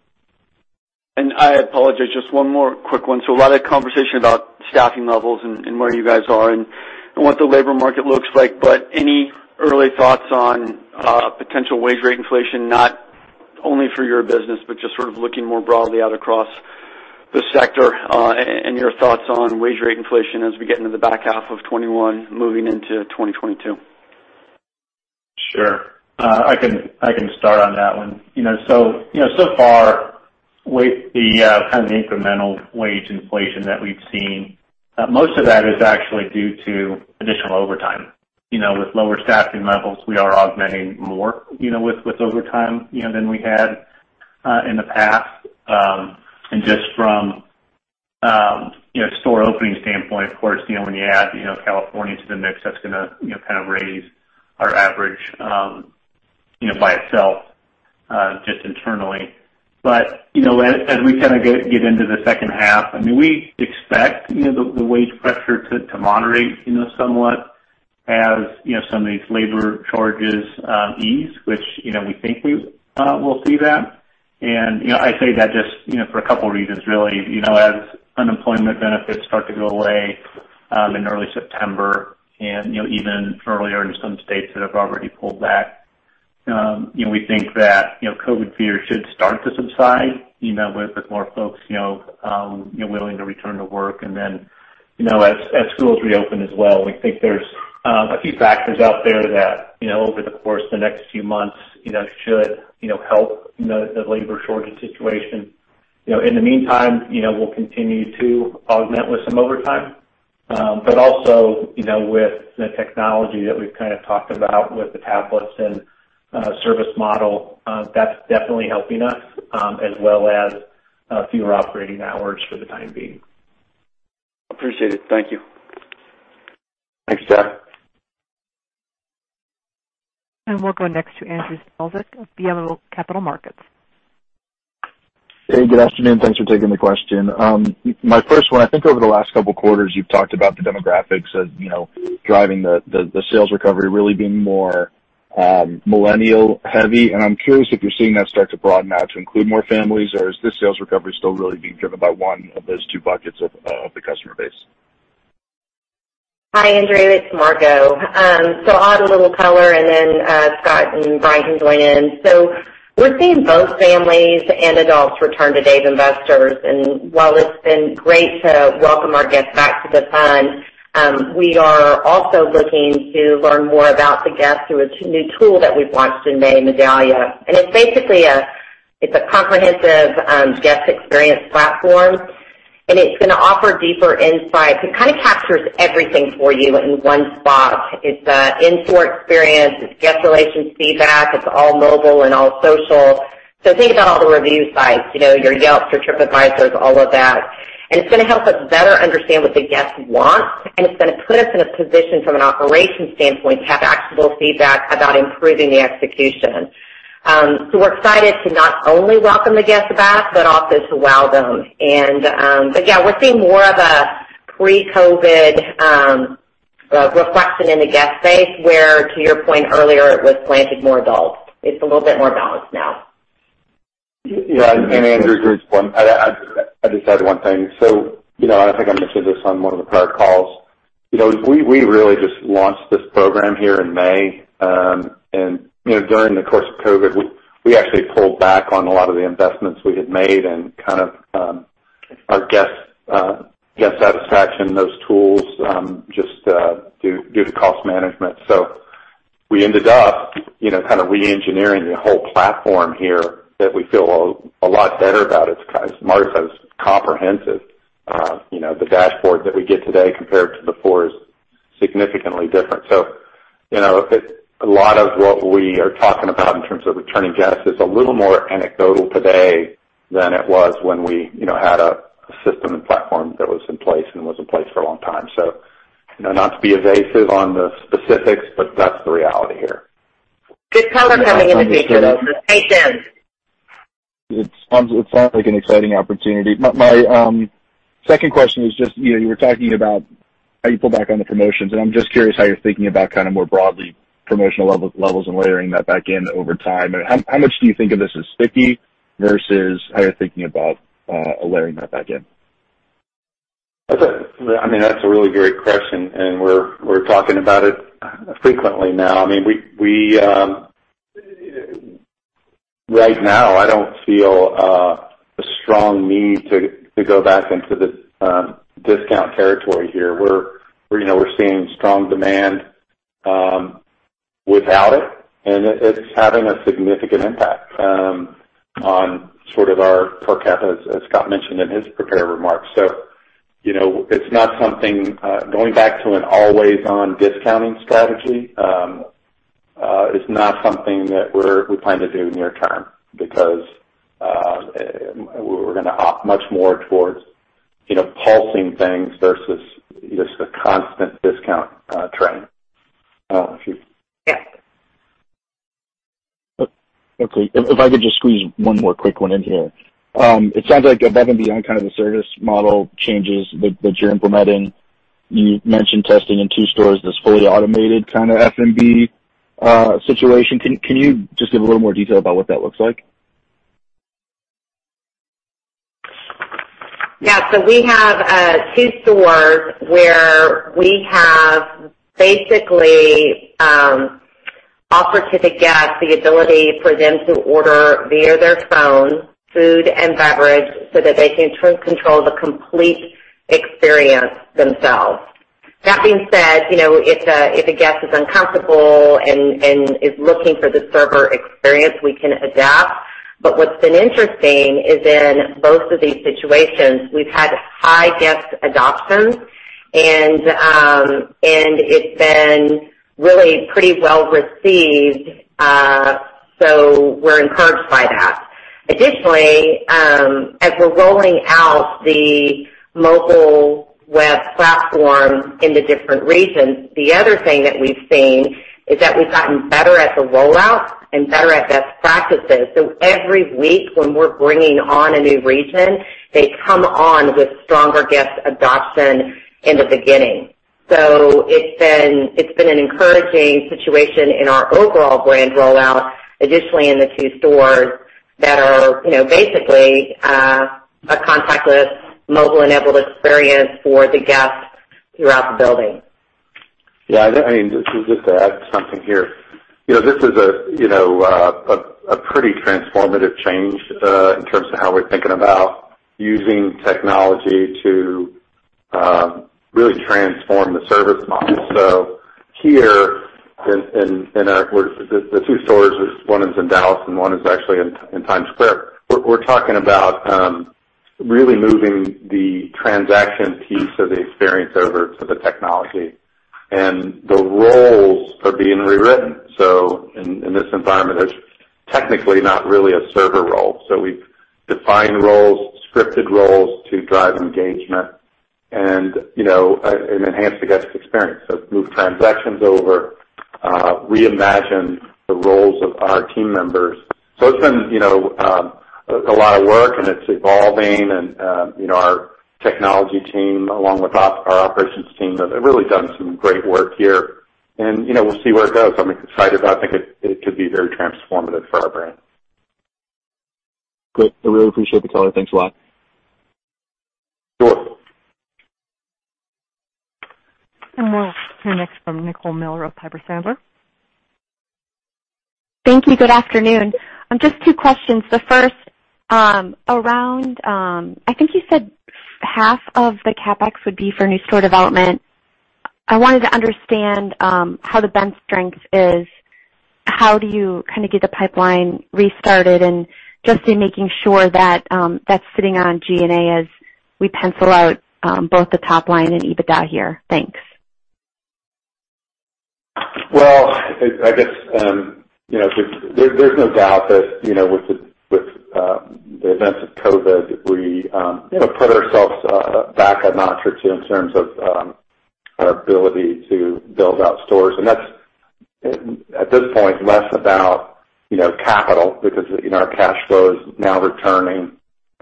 I apologize, just one more quick one. A lot of conversation about staffing levels and where you guys are and what the labor market looks like. Any early thoughts on potential wage rate inflation, not only for your business, but just sort of looking more broadly out across the sector and your thoughts on wage rate inflation as we get into the back half of 2021 moving into 2022? Sure. I can start on that one. So far, the incremental wage inflation that we've seen, most of that is actually due to additional overtime. With lower staffing levels, we are augmenting more with overtime, than we had in the past. Just from store opening standpoint, of course, when you add California to the mix, that's going to raise our average, by itself, just internally. As we get into the second half, we expect the wage pressure to moderate somewhat as some of these labor charges ease, which we think we will see that. I say that just for a couple of reasons, really. As unemployment benefits start to go away in early September and even earlier in some states that have already pulled back, we think that COVID fear should start to subside, with more folks willing to return to work. As schools reopen as well, we think there's a few factors out there that over the course of the next few months should help the labor shortage situation. In the meantime, we'll continue to augment with some overtime. Also, with the technology that we've kind of talked about with the tablets and service model, that's definitely helping us, as well as fewer operating hours for the time being. Appreciate it. Thank you. Thanks, Jeff. We'll go next to Andrew Strelzik of BMO Capital Markets. Hey, good afternoon. Thanks for taking the question. My first one, I think over the last couple of quarters, you've talked about the demographics driving the sales recovery really being more millennial heavy. I'm curious if you're seeing that start to broaden out to include more families or is the sales recovery still really being driven by one of those two buckets of the customer base? Hi, Andrew, it's Margo. I'll add a little color, and then Michael and Kevin can go in. We're seeing both families and adults return to Dave & Buster's and while it's been great to welcome our guests back to the brand, we are also looking to learn more about the guest through a new tool that we've launched in May, Medallia. It's basically a comprehensive guest experience platform, and it's going to offer deeper insights. It kind of captures everything for you in one spot. It's in-store experience, it's guest relation feedback, it's all mobile and all social. Think of all the review sites, your Yelp, your TripAdvisor, all of that. It's going to help us better understand what the guests want, and it's going to put us in a position from an operations standpoint to have actionable feedback about improving the execution. We're excited to not only welcome the guests back, but also to wow them. Yeah, we're seeing more of a pre-COVID reflected in the guest base, where to your point earlier, it was weighted more adults. It's a little bit more balanced now. Yeah, Andrew, I'd just add one thing. I think I mentioned this on one of the prior calls. We really just launched this program here in May. During the course of COVID, we actually pulled back on a lot of the investments we had made and our guest satisfaction, those tools, just due to cost management. We ended up re-engineering the whole platform here that we feel a lot better about. As Margo says, comprehensive. The dashboard that we get today compared to before is significantly different. A lot of what we are talking about in terms of returning guests is a little more anecdotal today than it was when we had a system and platform that was in place and was in place for a long time. Not to be evasive on the specifics, but that's the reality here. Good color. No, thanks. It sounds like an exciting opportunity. My second question is just, you were talking about how you pull back on the promotions, and I'm just curious how you're thinking about more broadly promotional levels and layering that back in over time, and how much do you think of this as sticky versus how you're thinking about layering that back in? That's a really great question, and we're talking about it frequently now. Right now, I don't feel a strong need to go back into the discount territory here, where we're seeing strong demand without it, and it's having a significant impact on sort of our per capita, as Michael Quartieri mentioned in his prepared remarks. Going back to an always-on discounting strategy is not something that we're planning to do near-term because we're going to opt much more towards pulsing things versus just a constant discount train. If I could just squeeze one more quick one in here. It sounds like above and beyond the service model changes that you're implementing, you mentioned testing in two stores, this fully automated kind of F&B situation. Can you just give a little more detail about what that looks like? Yeah. We have two stores where we have basically offered to the guest the ability for them to order via their phone, food and beverage, so that they can control the complete experience themselves. That being said, if a guest is uncomfortable and is looking for the server experience, we can adapt. What's been interesting is in both of these situations, we've had high guest adoption, and it's been really pretty well-received, so we're encouraged by that. Additionally, as we're rolling out the mobile web platform into different regions, the other thing that we've seen is that we've gotten better at the rollout and better at best practices. Every week when we're bringing on a new region, they come on with stronger guest adoption in the beginning. It's been an encouraging situation in our overall brand rollout, additionally in the two stores that are basically a contactless mobile-enabled experience for the guests throughout the building. Yeah. Just to add something here. This is a pretty transformative change in terms of how we're thinking about using technology to really transform the service model. Here in the two stores, one is in Dallas and one is actually in Times Square. We're talking about really moving the transaction piece of the experience over to the technology, and the roles are being rewritten. In this environment, there's technically not really a server role. We've defined scripted roles to drive engagement and enhance the guest experience. Move transactions over, reimagine the roles of our team members. It's been a lot of work and it's evolving and our technology team, along with our operations team, have really done some great work here, and we'll see where it goes. I'm excited about it. I think it could be very transformative for our brand. Great. I really appreciate the color. Thanks a lot. Sure. We'll hear next from Nicole Miller of Piper Sandler. Thank you. Good afternoon. Just two questions. The first, around, I think you said half of the CapEx would be for new store development. I wanted to understand, how the bench strength is, how do you kind of get the pipeline restarted, and just in making sure that's sitting on G&A as we pencil out both the top line and EBITDA here. Thanks. Well, I guess, there's no doubt that with the events of COVID, we put ourselves back a notch or two in terms of our ability to build out stores. That's, at this point, less about capital because our cash flow is now returning.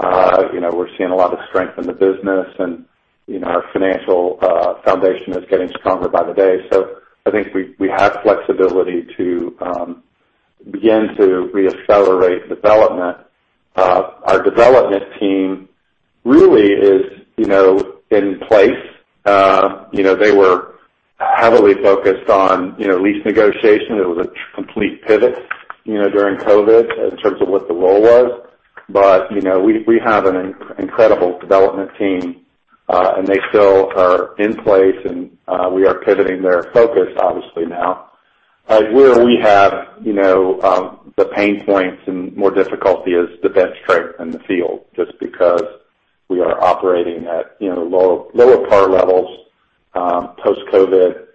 We're seeing a lot of strength in the business, and our financial foundation is getting stronger by the day. I think we have flexibility to begin to re-accelerate development. Our development team really is in place. They were heavily focused on lease negotiation. It was a complete pivot during COVID in terms of what the role was. We have an incredible development team, and they still are in place, and we are pivoting their focus, obviously now. Where we have the pain points and more difficulty is the bench strength in the field, just because we are operating at lower par levels post-COVID.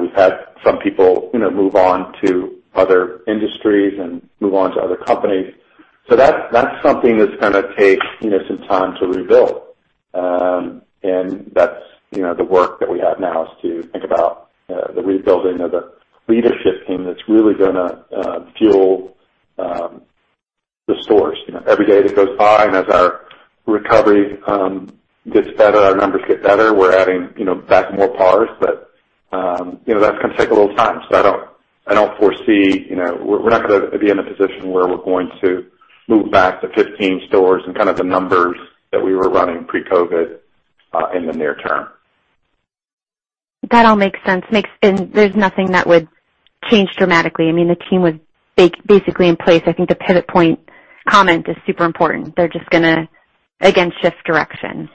We've had some people move on to other industries and move on to other companies. That's something that's going to take some time to rebuild. That's the work that we have now is to think about the rebuilding of the leadership team that's really gonna fuel the stores. Every day that goes by and as our recovery gets better, our numbers get better. We're adding back more pars, but that's going to take a little time. I don't foresee We're not going to be in a position where we're going to move back to 15 stores and kind of the numbers that we were running pre-COVID, in the near term. That all makes sense. There's nothing that would change dramatically. I mean, the team was basically in place. I think the pivot point comment is super important. They're just gonna, again, shift direction.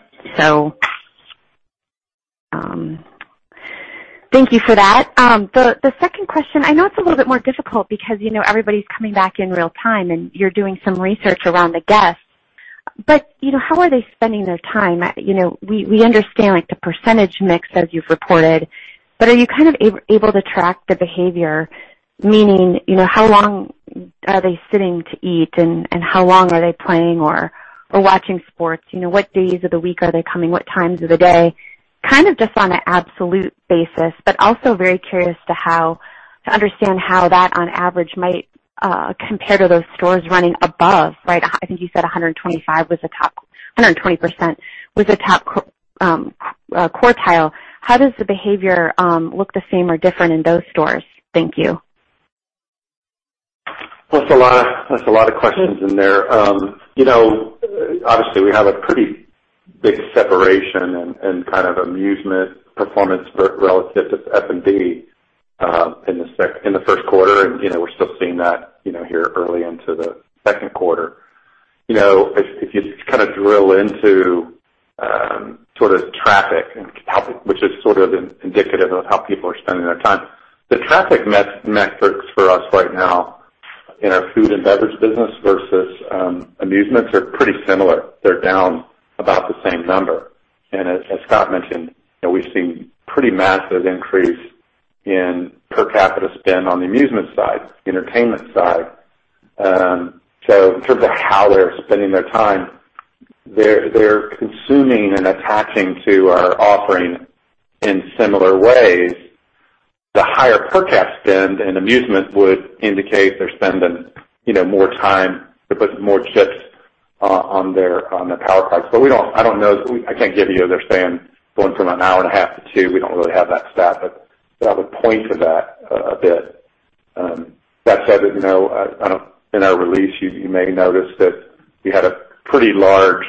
Thank you for that. The second question, I know it's a little bit more difficult because everybody's coming back in real time, and you're doing some research around the guests. How are they spending their time? We understand, like, the percentage mix as you've reported, but are you kind of able to track the behavior, meaning, how long are they sitting to eat and how long are they playing or watching sports? What days of the week are they coming? What times of the day? Kind of just on an absolute basis, but also very curious to understand how that on average might compare to those stores running above, right? I think you said 120% was the top quartile. How does the behavior look the same or different in those stores? Thank you. That's a lot of questions in there. Obviously, we have a pretty big separation in kind of amusement performance relative to F&B in the first quarter, and we're still seeing that here early into the second quarter. If you kind of drill into sort of traffic, which is sort of indicative of how people are spending their time, the traffic metrics for us right now in our food and beverage business versus amusements are pretty similar. They're down about the same number. As Michael mentioned, we've seen pretty massive increase in per capita spend on the amusement side, entertainment side. In terms of how they're spending their time, they're consuming and attaching to our offering in similar ways. The higher per capita spend in amusement would indicate they're spending more time. They're putting more chips on their Power Cards. I can't give you if they're staying going from an hour and a half to two. We don't really have that stat. To the point of that a bit, that said, in our release, you may notice that we had a pretty large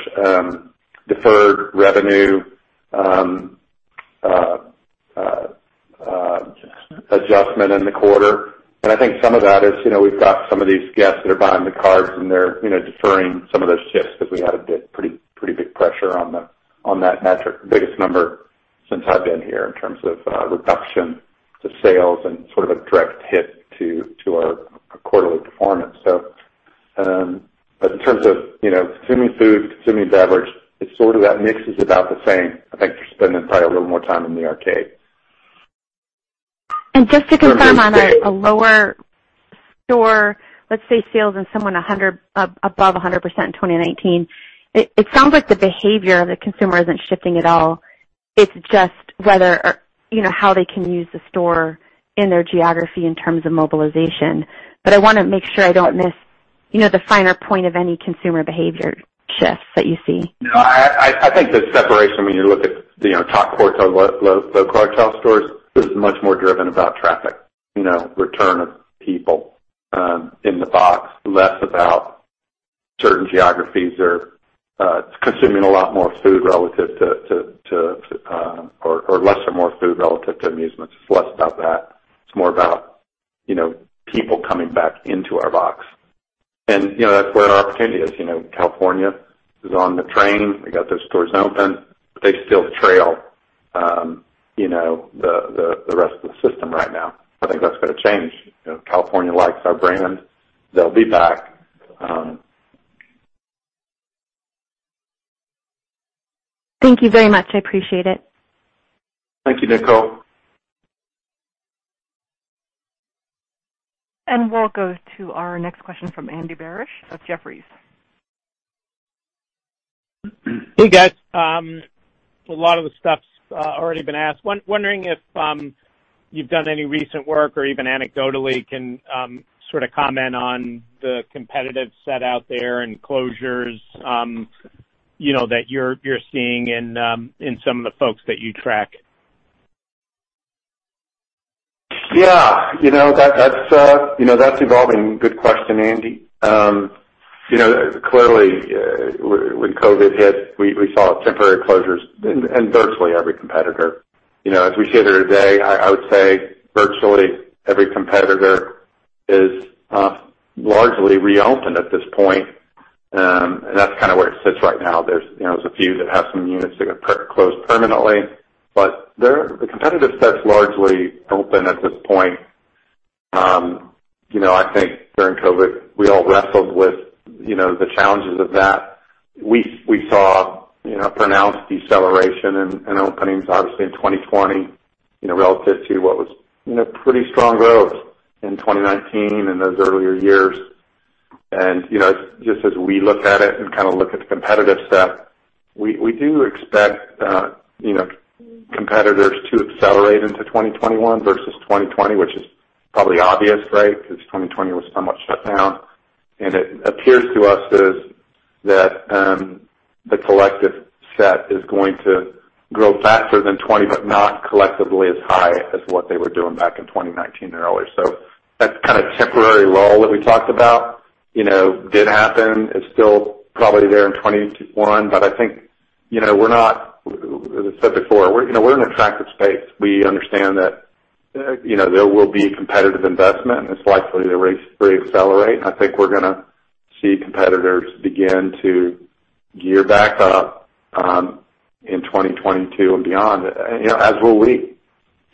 deferred revenue adjustment in the quarter. I think some of that is we've got some of these guests that are buying the cards, and they're deferring some of those chips because we had a pretty big pressure on that metric. Biggest number since I've been here in terms of reduction to sales and sort of a direct hit to our quarterly performance. In terms of consuming food, consuming beverage, that mix is about the same. I think they're spending probably a little more time in the arcade. Just to confirm on a lower store, let's say sales in someone above 100% in 2019, it sounds like the behavior of the consumer isn't shifting at all. It's just how they can use the store in their geography in terms of mobilization. I want to make sure I don't miss the finer point of any consumer behavior shifts that you see. No, I think the separation when you look at top quartile versus low quartile stores is much more driven about traffic, return of people in the box, less about certain geographies are consuming a lot more food relative to, or less or more food relative to amusement. It's less about that. It's more about people coming back into our box. That's where our opportunity is. California is on the train. They got their stores open, but they still trail the rest of the system right now. I think that's going to change. If California likes our branding, they'll be back. Thank you very much. I appreciate it. Thank you, Nicole. We'll go to our next question from Andy Barish of Jefferies. Hey, guys. A lot of the stuff's already been asked. Wondering if you've done any recent work or even anecdotally can sort of comment on the competitive set out there and closures that you're seeing in some of the folks that you track. Yeah. That's evolving. Good question, Andy. Clearly, when COVID hit, we saw temporary closures in virtually every competitor. As we sit here today, I would say virtually every competitor is largely reopened at this point. That's kind of where it sits right now. There's a few that have some units that are closed permanently, but the competitive set's largely open at this point. I think during COVID, we all wrestled with the challenges of that. We saw a pronounced deceleration in openings, obviously in 2020, relative to what was pretty strong growth in 2019 and those earlier years. Just as we look at it and look at the competitive set, we do expect competitors to accelerate into 2021 versus 2020, which is probably obvious, right? Because 2020 was somewhat shut down. It appears to us is that the collective set is going to grow faster than 20%, but not collectively as high as what they were doing back in 2019 and earlier. That kind of temporary lull that we talked about did happen. It's still probably there in 2021. I think, as I said before, we're in an attractive space. We understand that there will be competitive investment, and it's likely to re-accelerate. I think we're going to see competitors begin to gear back up in 2022 and beyond, as will we.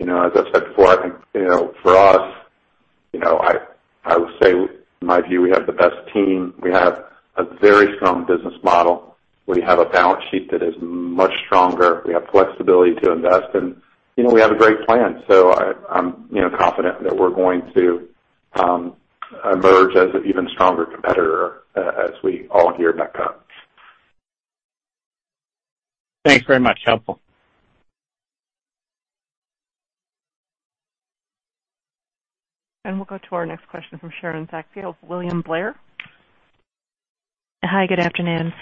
As I said before, I think, for us, I would say in my view, we have the best team. We have a very strong business model. We have a balance sheet that is much stronger. We have flexibility to invest, and we have a great plan. I'm confident that we're going to emerge as an even stronger competitor as we all gear back up. Thanks very much. Helpful. We'll go to our next question from Sharon Zackfia of William Blair. Hi, good afternoon.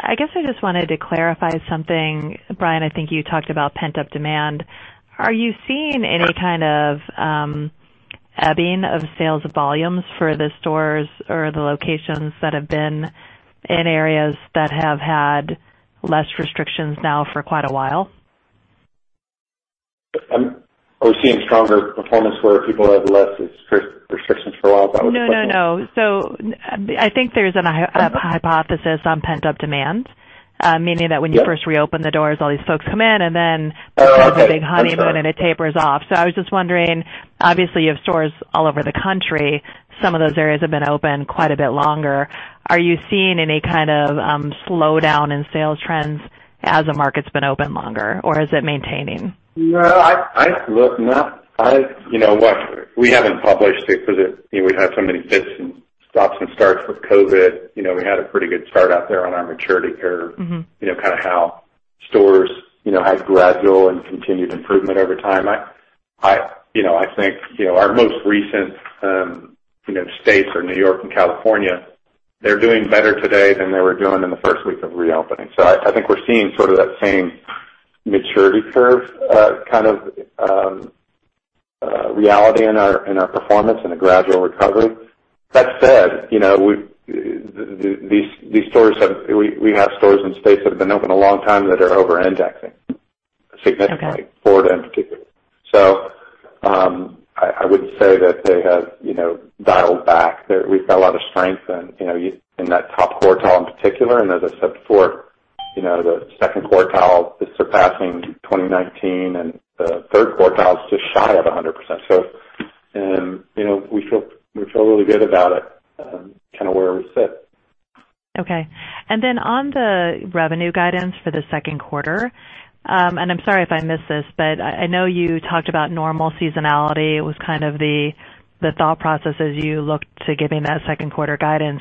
I guess I just wanted to clarify something. Sheehan, I think you talked about pent-up demand. Are you seeing any kind of ebbing of sales volumes for the stores or the locations that have been in areas that have had less restrictions now for quite a while? Are we seeing stronger performance where people have less restrictions for a while? No, no. I think there's a hypothesis on pent-up demand, meaning that when you first reopen the doors, all these folks come in, and then there's a big honeymoon, and then it tapers off. I was just wondering, obviously, you have stores all over the country. Some of those areas have been open quite a bit longer. Are you seeing any kind of slowdown in sales trends as a market's been open longer, or is it maintaining? No. We haven't published it because we've had so many fits and stops and starts with COVID. We had a pretty good start out there on our maturity curve. Kind of how stores had gradual and continued improvement over time. I think our most recent states are New York and California. They're doing better today than they were doing in the first week of reopening. I think we're seeing sort of that same maturity curve kind of reality in our performance and a gradual recovery. That said, we have stores in states that have been open a long time that are over-indexing significantly, Florida in particular. I would say that they have dialed back. We've got a lot of strength in that top quartile in particular. As I said before, the second quartile is surpassing 2019, and the third quartile is just shy of 100%. We feel really good about it, kind of where we sit. Okay. On the revenue guidance for the second quarter, and I'm sorry if I missed this, but I know you talked about normal seasonality was kind of the thought process as you looked to giving that second quarter guidance.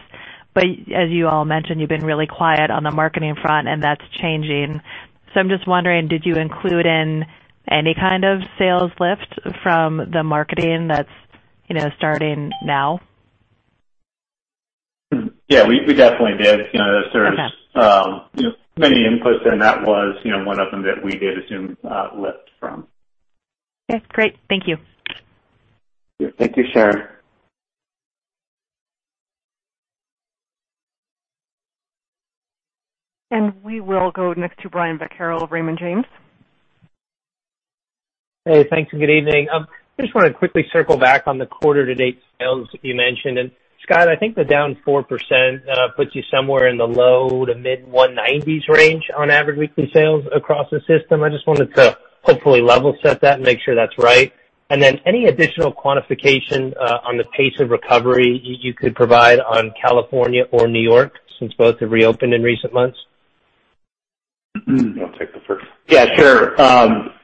As you all mentioned, you've been really quiet on the marketing front, and that's changing. I'm just wondering, did you include in any kind of sales lift from the marketing that's starting now? Yeah, we definitely did. There's many inputs, and that was one of them that we did assume a lift from. Okay, great. Thank you. Yeah. Thank you, Sharon. We will go next to Brian Vaccaro at Raymond James. Hey, thanks and good evening. I just want to quickly circle back on the quarter to date sales that you mentioned. Michael Quartieri, I think the down 4% puts you somewhere in the low to mid 190-ish range on average weekly sales across the system. I just wanted to hopefully level set that and make sure that's right. Then any additional quantification on the pace of recovery you could provide on California or New York since both have reopened in recent months? Do you want to take the first? Yeah, sure.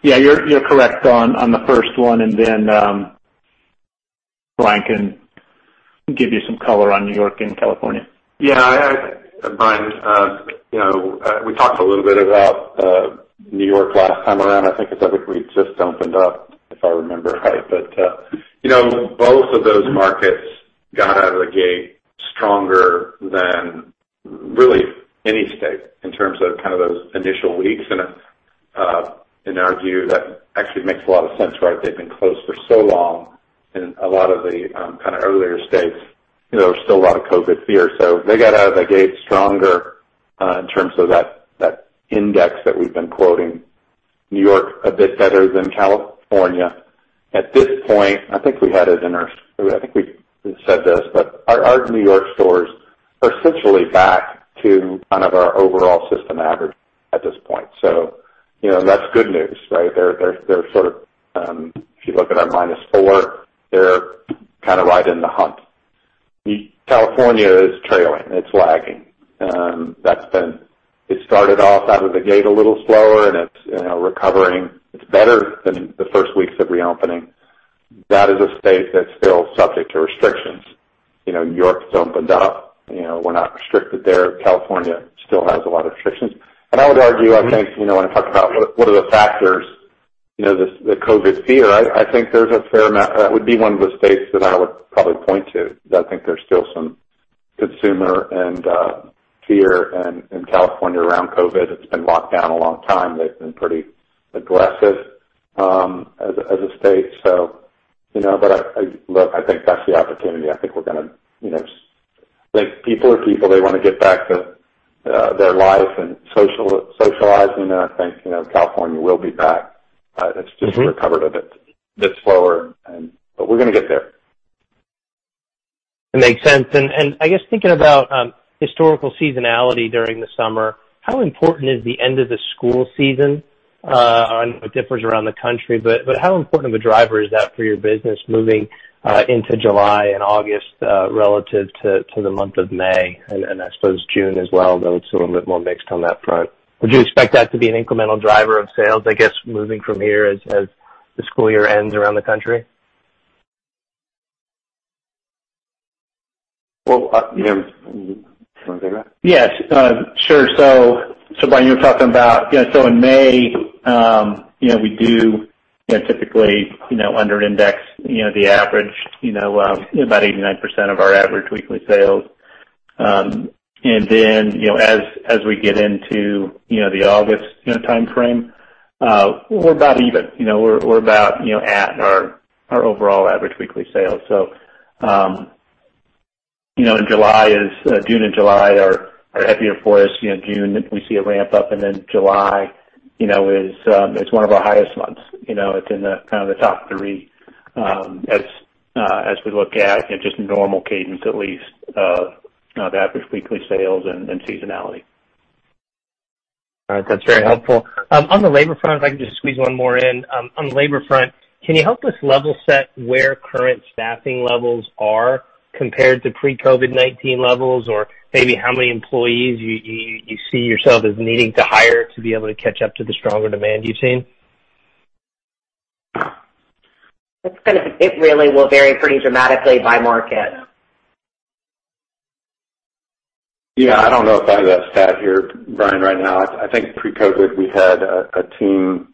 Yeah, you're correct on the first one, and then Sheehan can give you some color on New York and California. Brian, we talked a little bit about New York last time around. I think I said we just opened up, if I remember right. Both of those markets got out of the gate stronger than really any state in terms of those initial weeks. In our view, that actually makes a lot of sense. They've been closed for so long, and a lot of the earlier states, there's still a lot of COVID fear. They got out of the gate stronger in terms of that index that we've been quoting. New York a bit better than California. At this point, I think we said this, our New York stores are essentially back to our overall system average at this point. That's good news. If you look at our -4, they're right in the hunt. California is trailing. It's lagging. It started off out of the gate a little slower, and it's recovering. It's better than the first weeks of reopening. That is a state that's still subject to restrictions. New York's opened up. We're not restricted there. California still has a lot of restrictions. I would argue, I think when we talk about what are the factors, the COVID fear, that would be one of the states that I would probably point to. Because I think there's still some consumer fear in California around COVID. It's been locked down a long time. They've been pretty aggressive as a state. I think that's the opportunity. People are people. They want to get back to their life and socializing, and I think California will be back. It's just recovered a bit slower, but we're going to get there. Makes sense. I guess thinking about historical seasonality during the summer, how important is the end of the school season? I know it differs around the country, but how important of a driver is that for your business moving into July and August relative to the month of May, and I suppose June as well, though it's a little bit more mixed on that front. Would you expect that to be an incremental driver of sales, I guess, moving from here as the school year ends around the country? You want me to take that? Yes. Sure. Brian, you're talking about in May, we do typically under index the average, about 89% of our average weekly sales. As we get into the August timeframe, we're about at our overall average weekly sales. June and July are heavier for us. June, we see a ramp up, and then July is one of our highest months. It's in the top three as we look at just in normal cadence, at least, of average weekly sales and seasonality. All right. That's very helpful. On the labor front, if I could just squeeze one more in. On the labor front, can you help us level set where current staffing levels are compared to pre-COVID-19 levels? Or maybe how many employees you see yourself as needing to hire to be able to catch up to the stronger demand you've seen? It really will vary pretty dramatically by market. Yeah. I do not know if I have that stat here, Brian, right now. I think pre-COVID, we had a team,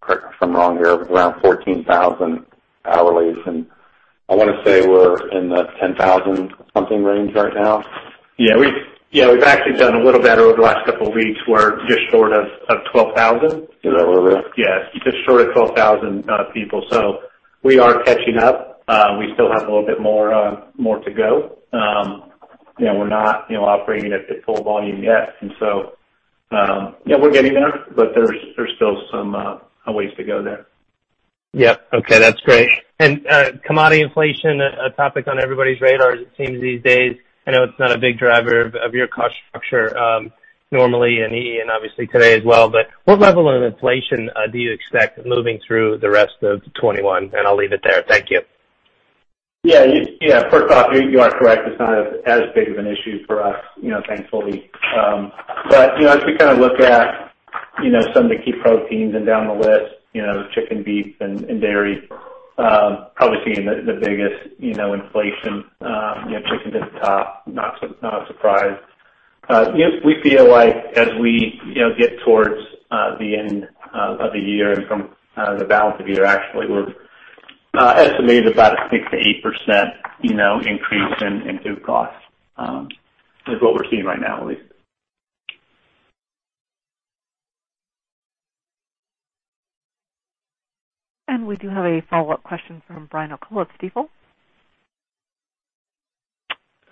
correct me if I am wrong here, of around 14,000 hourlies, and I want to say we are in that 10,000 something range right now. Yeah. We've actually done a little better over the last couple of weeks. We're just short of 12,000. Is that what it is? Yeah. Just short of 12,000 people. We are catching up. We still have a little bit more to go. We're not operating at full volume yet. Yeah, we're getting there, but there's still some ways to go there. Yeah. Okay. That's great. Commodity inflation, a topic on everybody's radar it seems these days. I know it's not a big driver of your cost structure normally, and obviously today as well, what level of inflation do you expect moving through the rest of 2021? I'll leave it there. Thank you. Yeah. Per capita, you are correct. It's not as big of an issue for us, thankfully. As we look at some of the key proteins and down the list, chicken, beef, and dairy, probably seeing the biggest inflation. Chicken at the top, not a surprise. We feel like as we get towards the end of the year and from the balance of the year, actually, we're estimating about a 6%-8% increase in food costs. With what we're seeing right now, at least. We do have a follow-up question from Chris O'Cull at Stifel.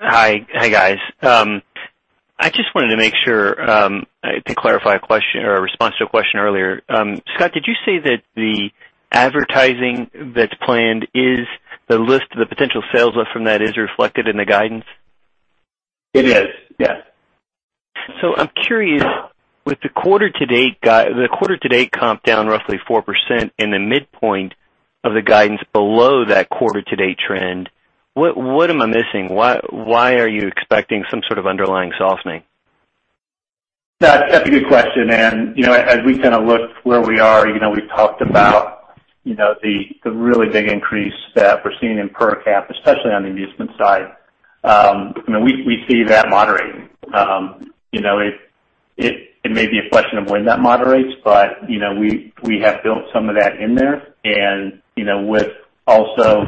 Hi, guys. I just wanted to make sure to clarify a question or a response to a question earlier. Michael Quartieri, did you say that the advertising that's planned is the list of the potential sales lift from that is reflected in the guidance? It is, yes. I'm curious, with the quarter to date comp down roughly 4% in the midpoint of the guidance below that quarter to date trend, what am I missing? Why are you expecting some sort of underlying softening? That's a good question. As we look where we are, we've talked about the really big increase that we're seeing in per capita, especially on the amusement side. We see that moderating. It may be a question of when that moderates, we have built some of that in there. With also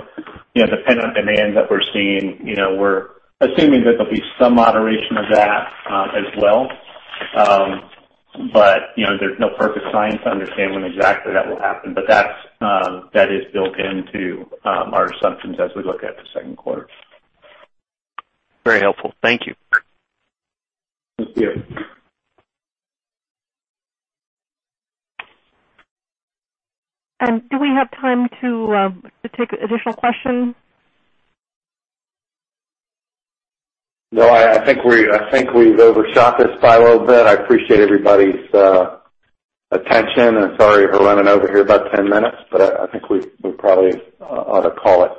the pent-up demand that we're seeing, we're assuming that there'll be some moderation of that as well. There's no perfect science to understand when exactly that will happen. That is built into our assumptions as we look at the second quarter. Very helpful. Thank you. Thank you. Do we have time to take additional questions? No, I think we've overshot this by a little bit. I appreciate everybody's attention, and sorry for running over here about 10 minutes, but I think we probably ought to call it.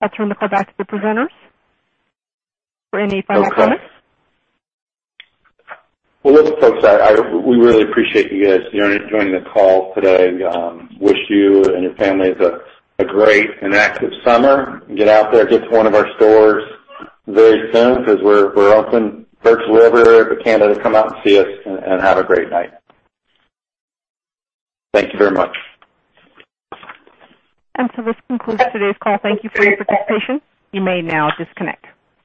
I'll turn the floor back to the presenters for any final comments. Okay. Well, listen, folks, we really appreciate you guys joining the call today. Wish you and your families a great and active summer. Get out there, get to one of our stores very soon because we're open virtually everywhere but Canada. Come out and see us. Have a great night. Thank you very much. This concludes today's call. Thank you for your participation. You may now disconnect.